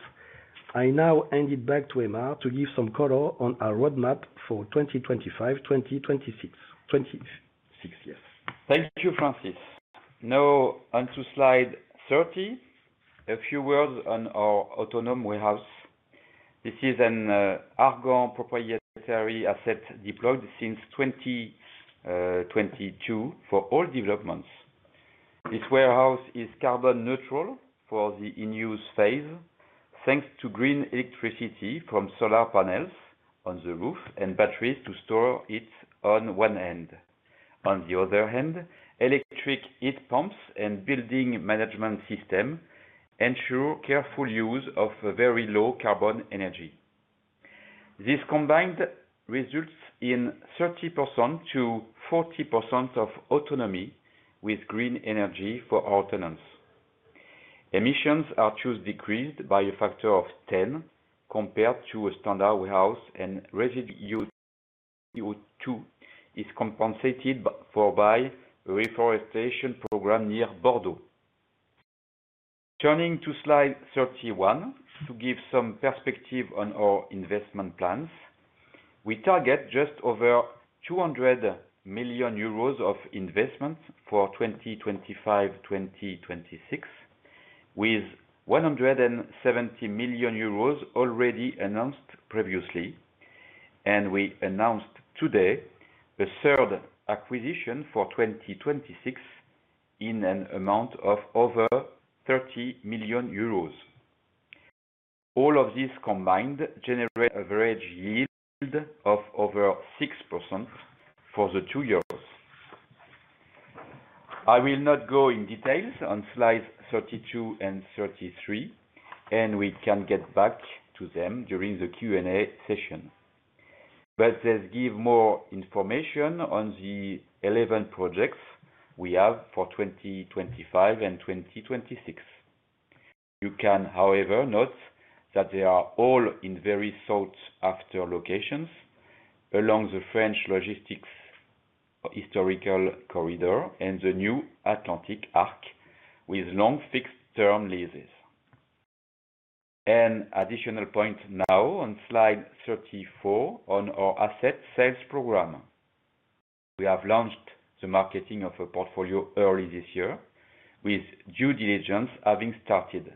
I now hand it back to Aymar de GERMAY to give some color on our roadmap for 2025, 2026. 26. Yes, thank you Francis. Now on to slide 30, a few words on our Aut0nom warehouse. This is an ARGAN proprietary asset deployed since 2022 for all developments. This warehouse is carbon neutral for the in use phase thanks to green electricity from solar panels on the roof and batteries to store it on one end. On the other hand, electric heat pumps and building management system ensure careful use of very low carbon energy. This combined results in 30%-40% of Aut0nomy with green energy for Aut0nom. Emissions are thus decreased by a factor of 10 compared to a standard warehouse and residue is compensated for by a reforestation program near Bordeaux. Turning to slide 31 to give some perspective on our investment plans. We target just over 200 million euros of investment for 2025-2026 with 170 million euros already announced previously. We announced today a third acquisition for 2026 in an amount of over 30 million euros. All of this combined generates average yield of over 6% for the 2. I will not go in details on slides 32 and 33 and we can get back to them during the Q&A session, but let's give more information on the 11 projects we have for 2025 and 2026. You can however note that they are all in very sought after locations along the French logistics historical corridor and the Atlantic Arc with long fixed term. Leases. An additional point now on Slide 34 on our asset sale process, we have launched the marketing of a portfolio early this year with due diligence having started.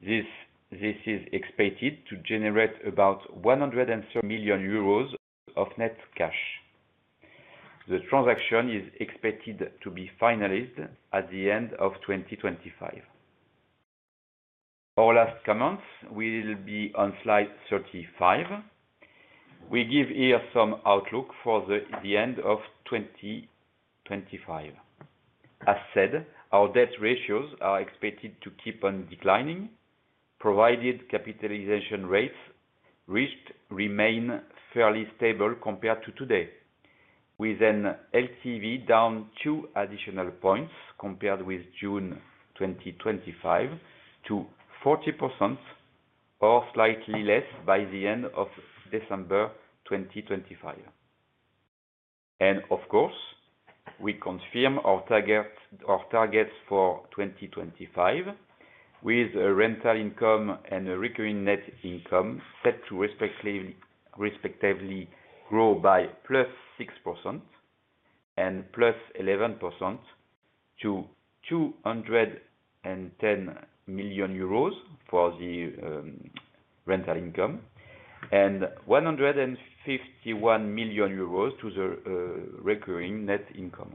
This is expected to generate about 103 million euros of net cash. The transaction is expected to be finalized at the end of 2025. Our last comments will be on Slide 35. We give here some outlook for the end of 2025. As said, our debt ratios are expected to keep on declining provided cap rates remain fairly stable compared to today, with an LTV down two additional points compared with June 2025 to 40% or slightly less by the end of December 2025. Of course, we confirm our targets for 2025 with a rental income and a recurring net income set to respectively grow by +6% and +11% to 210 million euros for the rental income and 151 million euros for the recurring net income.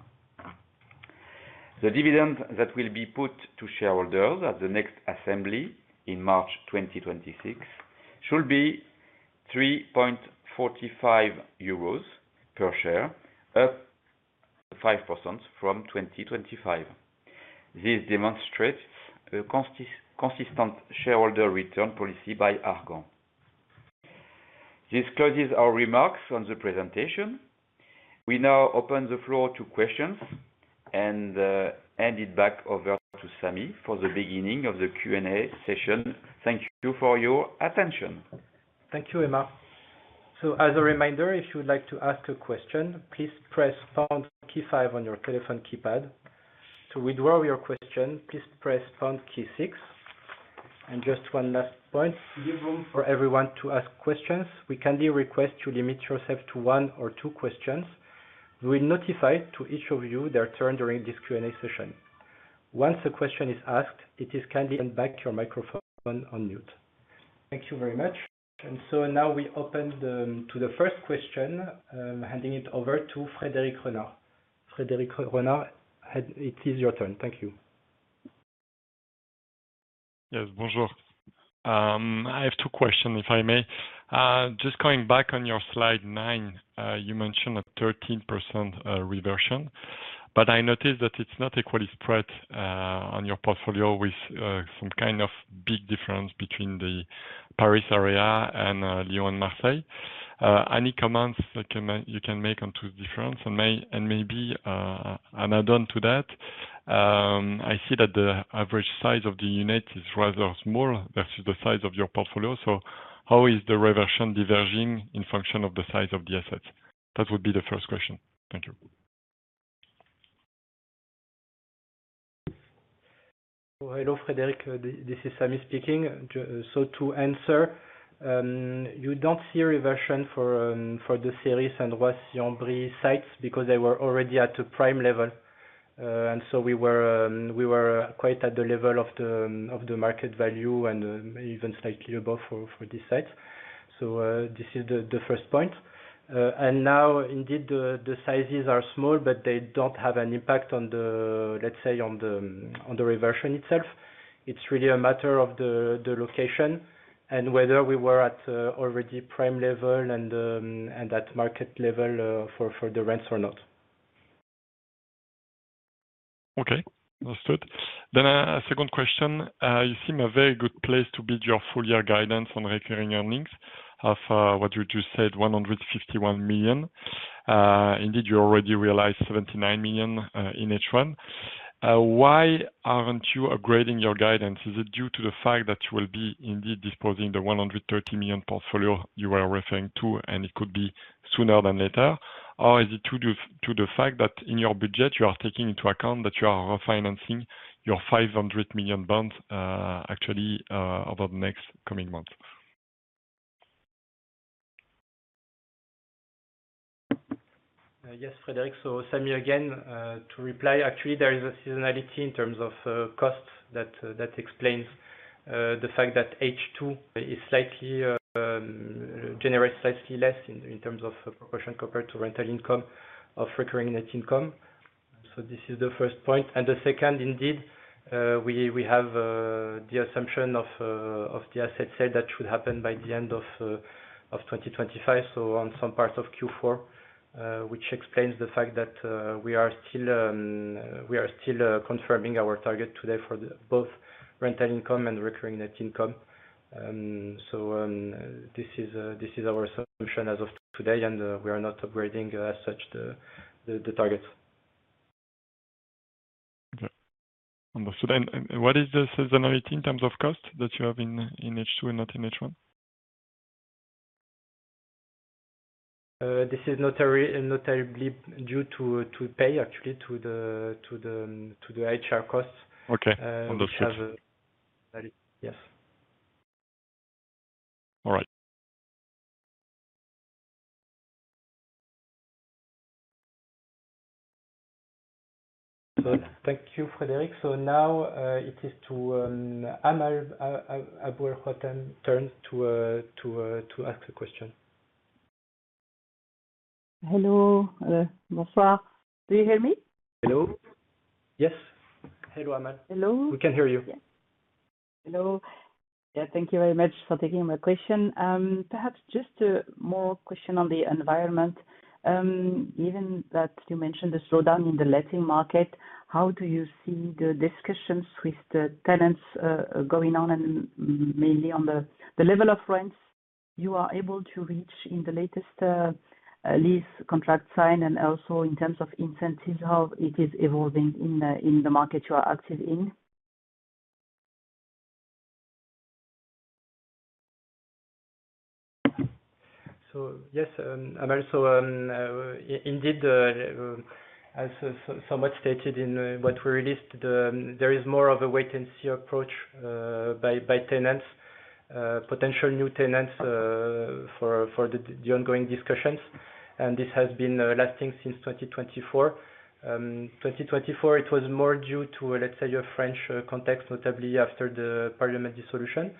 The dividend that will be put to shareholders at the next assembly in March 2026 should be EUR 3.45 per share, up 5% from 2025. This demonstrates a consistent shareholder return policy by ARGAN. This closes our remarks on the presentation. We now open the floor to questions and hand it back over to Samy for the beginning of the Q&A session. Thank you for your attention. Thank you, Aymar. As a reminder, if you'd like to ask a question, please press key five on your telephone keypad. To withdraw your question, please press key six. One last point: leave room for everyone to ask questions. We kindly request you limit yourself to one or two questions. We will notify each of you of your turn during this Q&A session. Once a question is asked, please kindly put your microphone on mute. Thank you very much. Now we open to the first question, handing it over to Frederic Renard. Frederic Renard, it is your turn. Thank you. Yes, bonjour. I have two questions, if I may. Just going back on your slide 9, you mentioned a 13% reversion, but I noticed that it's not equally spread on your portfolio, with some kind of big difference between the Paris area and Lyon Marseille. Any comments you can make on two differences and maybe an add on to that? I see that the average size of the unit is rather small versus the size of your portfolio. How is the reversion diverging in function of the size of the assets? That would be the first question. Thank you. Hello, Frederic, this is Samy speaking. To answer, you don't see reversion for the series and what sites, because they were already at a prime level. We were quite at the level of the market value and even slightly above for this site. This is the first point. Indeed, the sizes are small, but they don't have an impact on the, let's say, on the reversion itself. It's really a matter of the location and whether we were already at prime level and at market level for the rents or not. Okay, understood. A second question. You seem in a very good place to build your full year guidance on recurring earnings of what you just said, 151 million. Indeed, you already realized 79 million in H1. Why aren't you upgrading your guidance? Is it due to the fact that you will be indeed disposing the 130 million portfolio you were referring to and it could be sooner rather than later? Is it due to the fact that in your budget you are taking into account that you are refinancing your 500 million bonds actually over the next coming months? Yes, Frederic. Samy, again to reply, actually there is a seasonality in terms of cost. That explains the fact that H2 generates slightly less in terms of proportion compared to rental income of recurring net income. This is the first point, and the second, indeed we have the assumption of the asset sale process that should happen by the end of 2025, on some parts of Q4, which explains the fact that we are still confirming our target today for both rental income and recurring net income. This is our assumption as of today, and we are not upgrading as such the targets. What is the seasonality in terms of cost that you have in H2 and not in H1? This is notably due to pay actually to the HR costs. Yes, all right. Thank you, Frederic. Now it is Amal Abu Hotam's turn to ask a question. Hello, do you hear me? Hello? Yes, hello, Amal. Hello, we can hear you. Hello. Thank you very much for taking my question. Perhaps just a more question on the environment, given that you mentioned the slowdown in the letting market. How do you see the discussions with the tenants going on, mainly on the level of rents you are able to reach in the latest lease contract sign, and also in terms of incentives, how it is evolving in the market you are active in? Yes, Amal, indeed, as somewhat stated in what we released, there is more of a wait and see approach by tenants, potential new tenants for the ongoing discussions. This has been lasting since 2024. In 2024 it was more due to, let's say, a French context, notably after the parliament dissolution.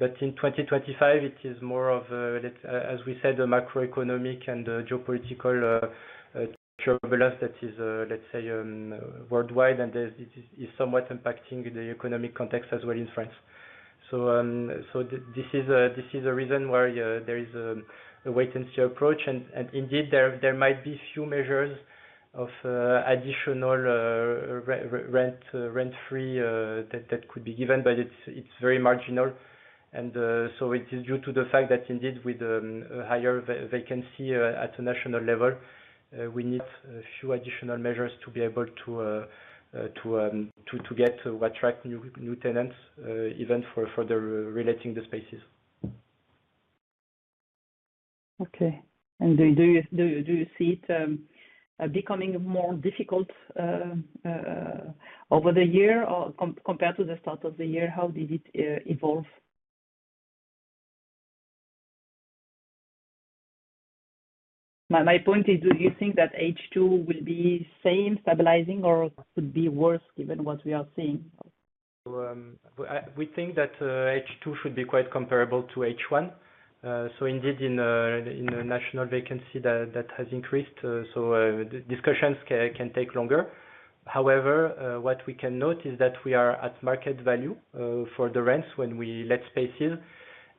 In 2025 it is more of, as we said, the macroeconomic and geopolitical turbulence that is, let's say, worldwide and is somewhat impacting the economic context as well in France. This is a reason where there is a wait and see approach. Indeed, there might be few measures of additional rent free that could be given, but it's very marginal. It is due to the fact that indeed with higher vacancy at a national level, we need a few additional measures to be able to attract new tenants, even for further relating the spaces. Okay. Do you see it becoming more difficult over the year, or compared to the start of the year, how did it evolve? My point is, do you think that H2 will be the same, stabilizing, or could it be worse? Given what we are seeing? We think that H2 should be quite comparable to H1. Indeed, in national vacancy that has increased, discussions can take longer. However, what we can note is that we are at market value for the rents when we let spaces.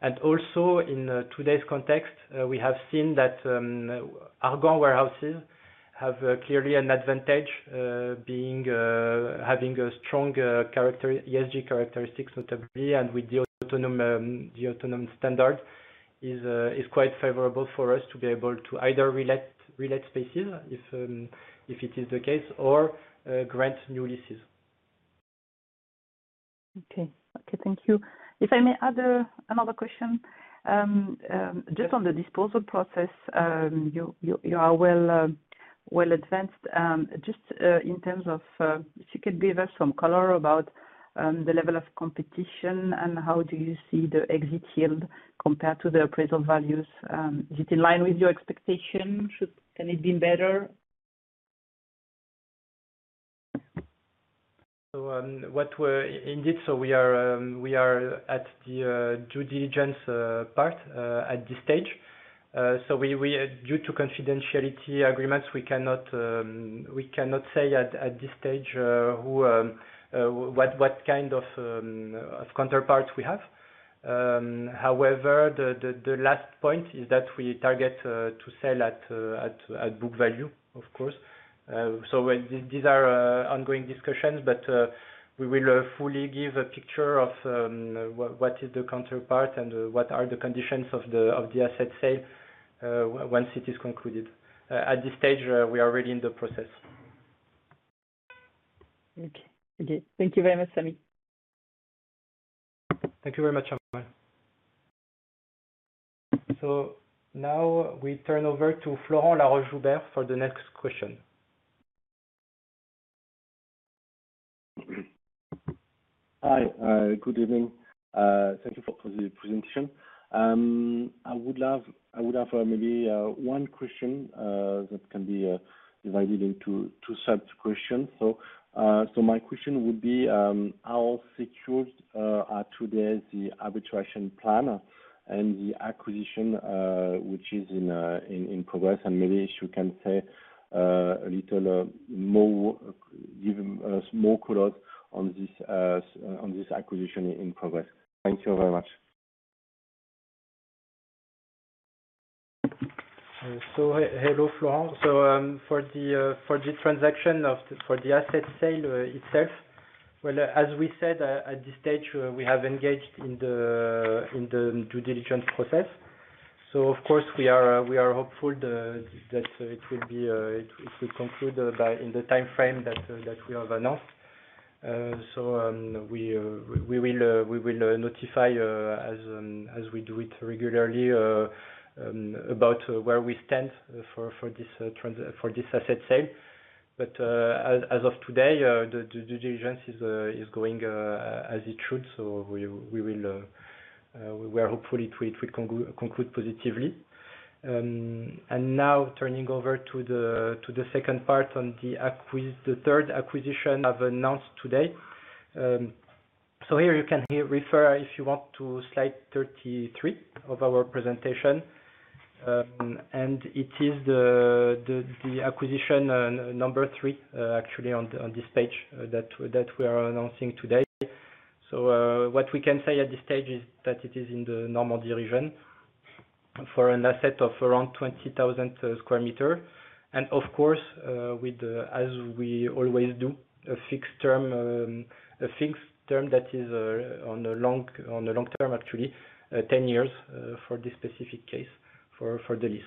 Also, in today's context, we have seen that ARGAN warehouses have clearly an advantage. Having stronger ESG characteristics, notably, and with the Aut0nom standard is quite favorable for us to be able to either relet spaces, if it is the case, or grant new leases. Okay, thank you. If I may add another question, just on the asset sale process, you are well advanced just in terms of. If you could give us some color about the level of competition and how do you see the exit yield compared to the appraisal values? Is it in line with your expectation? Can it be better? Indeed. We are at the due diligence part at this stage. Due to confidentiality agreements, we cannot say at this stage what kind of counterparts we have. However, the last point is that we target to sell at book value, of course. These are ongoing discussions, but we will fully give a picture of what is the counterpart and what are the conditions of the asset sale process once it is concluded. At this stage, we are already in the process. Thank you very much, Samy. Thank you very much, Amal. We now turn over to Florent Laroche-Joubert for the next question. Hi, good evening. Thank you for the presentation. I would have maybe one question that can be divided into two such questions. My question would be how secured are today the arbitration plan and the acquisition which is in progress. Maybe if you can say a. Give us more colors on this. On this acquisition in progress, thank you very much. So. Hello, Florent. For the transaction, for the asset sale itself, as we said, at this stage, we have engaged in the due diligence process. Of course, we are hopeful that it could conclude in the time frame that we have announced. We will notify, as we do it regularly, about where we stand for this asset sale. As of today, the due diligence is going as it should, so we are hopeful it will conclude positively. Now turning over to the second part on the acquisition, the third acquisition I've announced today. Here you can refer if you want to Slide 33 of our presentation. It is the acquisition number three, actually on this page that we are announcing today. What we can say at this stage is that it is in the normal derivation for an asset of around 20,000 square meters, and of course, as we always do, a fixed term that is on the long term, actually 10 years for this specific case, for the lease.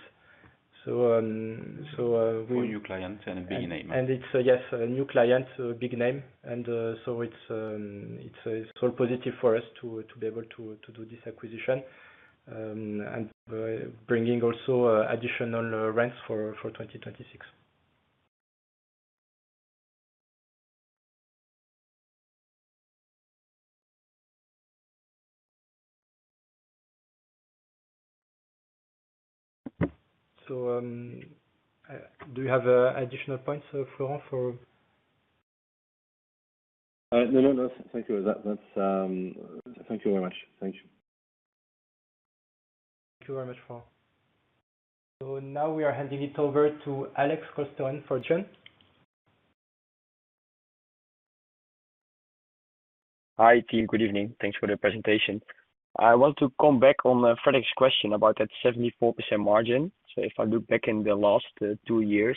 For a new client and a big name. Yes, it's a new client, big name, and it's all positive for us to be able to do this acquisition, bringing also additional rents for 2026. Do you have additional points? No. Thank you. Thank you very much. Thank you. Thank you very much. We are handing it over to Alex Coston for [John]. Hi, good evening. Thanks for the presentation. I want to come back on Frederick's question about that 74% margin. If I look back in the last two years,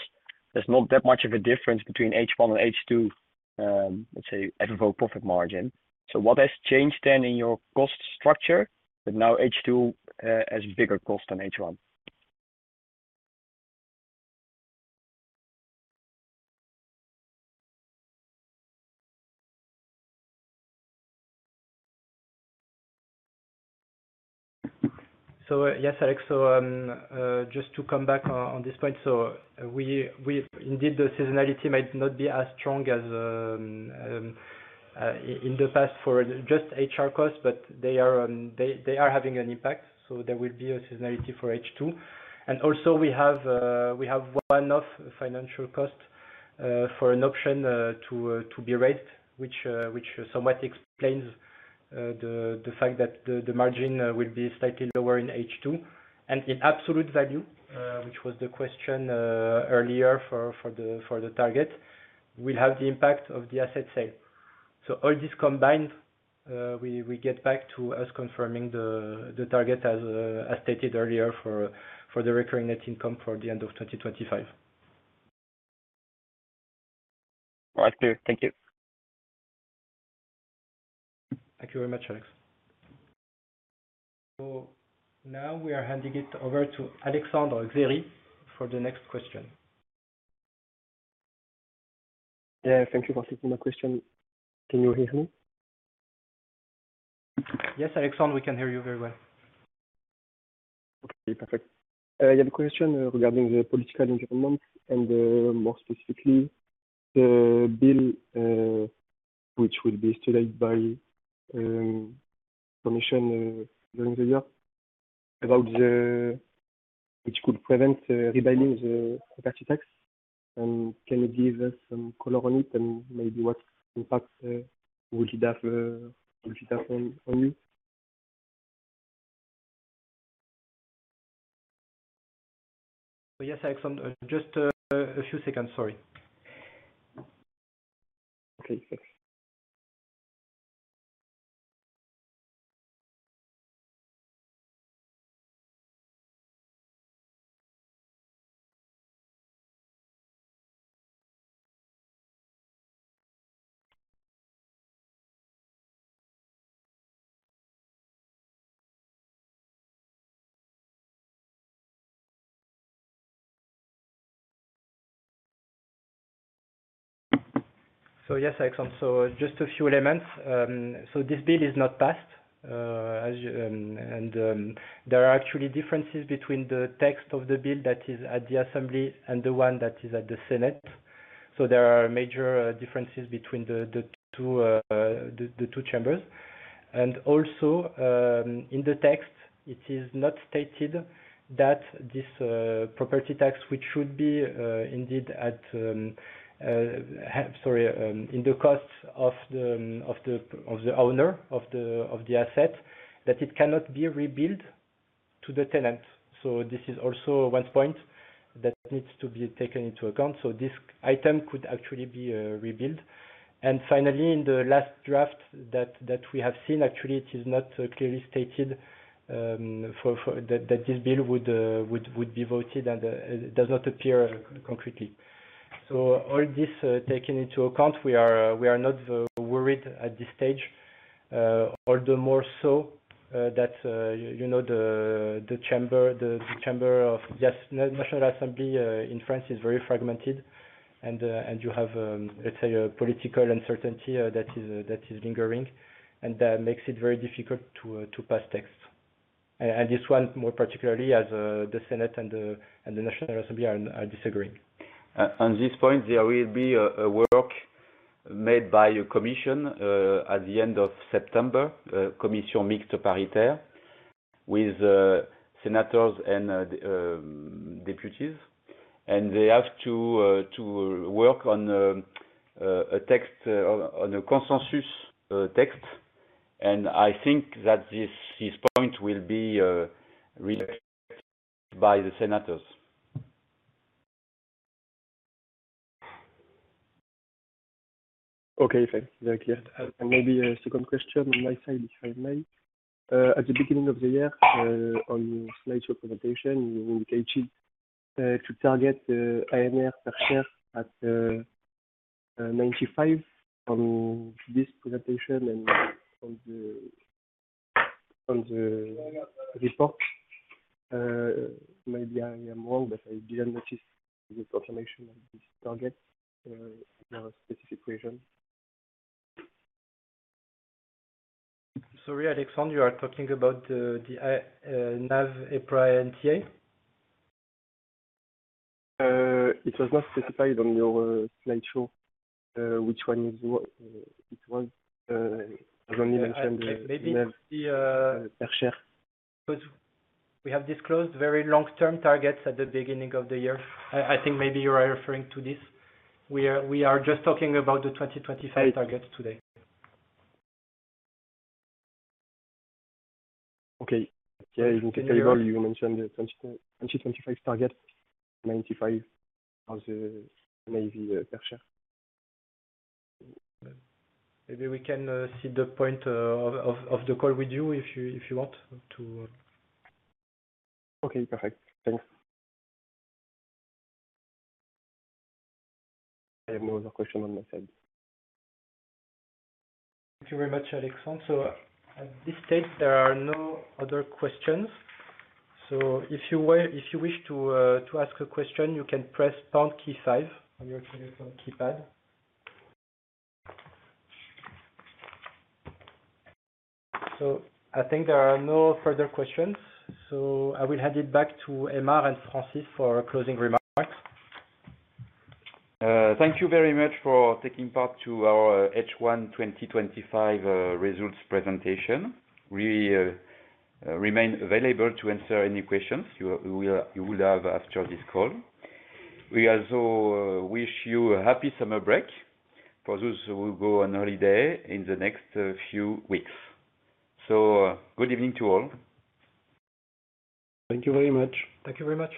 there's not that much of a difference between H1 and H2, let's say profit margin. What has changed then in your cost structure? Now H2 has bigger cost than H1. Yes, Alex. Just to come back on this point, we indeed, the seasonality might not be as strong as in the past for just HR costs, but they are having an impact. There will be a seasonality for H2. Also, we have one-off financial cost for an option to be raised, which somewhat explains the fact that the margin will be slightly lower in H2 and in absolute value, which was the question earlier, for the target will have the impact of the asset sale. All this combined, we get back to us confirming the target as stated earlier for the recurring net income for the end of 2025. All right, clear. Thank you. Thank you very much, Alex. Now we are handing it over to Alexandre Xeri for the next question. Thank you for taking the question. Can you hear me? Yes, Alexander, we can hear you very well. Okay, perfect. I have a question regarding the political environment and more specifically the bill which will be studied by commission during the year, which could prevent rebalance. Can you give us some color on it and maybe what impacts it could have on you? Yes, Alexander, just a few seconds. Sorry. Okay, thanks. Yes. Just a few elements. This bill is not passed and there are actually differences between the text of the bill that is at the assembly and the one that is at the senate. There are major differences between the two chambers. Also, in the text it is not stated that this property tax, which should be indeed in the cost of the owner of the asset, cannot be rebilled to the tenant. This is also one point that needs to be taken into account. This item could actually be rebilled. Finally, in the last draft that we have seen, it is not clearly stated that this bill would be voted and does not appear concretely. All this taken into account, we are not worried at this stage. All the more so that, you know, the chamber of the National Assembly in France is very fragmented and you have, let's say, a political uncertainty that is lingering and that makes it very difficult to pass texts, this one more particularly as the Senate and the National Assembly are disagreeing on this point. There will be a work made by a commission at the end of September. The commission mixes operations with senators and deputies. They have to work on a text, on a consensus text. I think that this point will be rejected by the senators. Okay, thanks. Maybe a second question on my side, if I may. At the beginning of the year, on your slideshow presentation, you indicated to target at 95 on this presentation and on the report. Maybe I am wrong, but I didn't notice the confirmation of this target specific region. Sorry, Alexandre, you are talking about the net asset value EPRA NTA. It was not specified on your slideshow which one is. Only mentioned. Maybe. We have disclosed very long-term targets at the beginning of the year. I think maybe you are referring to this. We are just talking about the 2025 targets today. Okay, yeah, you mentioned 2025, target 95% of the [NAV]. Maybe we can see the point of the call with you if you want to. Okay, perfect. Thanks. I have no other question on my side. Thank you very much, Alexandre. At this stage there are no other questions. If you wish to ask a question, you can press key five on your keypad. I think there are no further questions. I will hand it back to Aymar and Francis for closing remarks. Thank you very much for taking part in our H1 2025 results presentation. We remain available to answer any questions you will have after this call. We also wish you a happy summer break for those who go on holiday in the next few weeks. Good evening to all. Thank you very much. Thank you very much.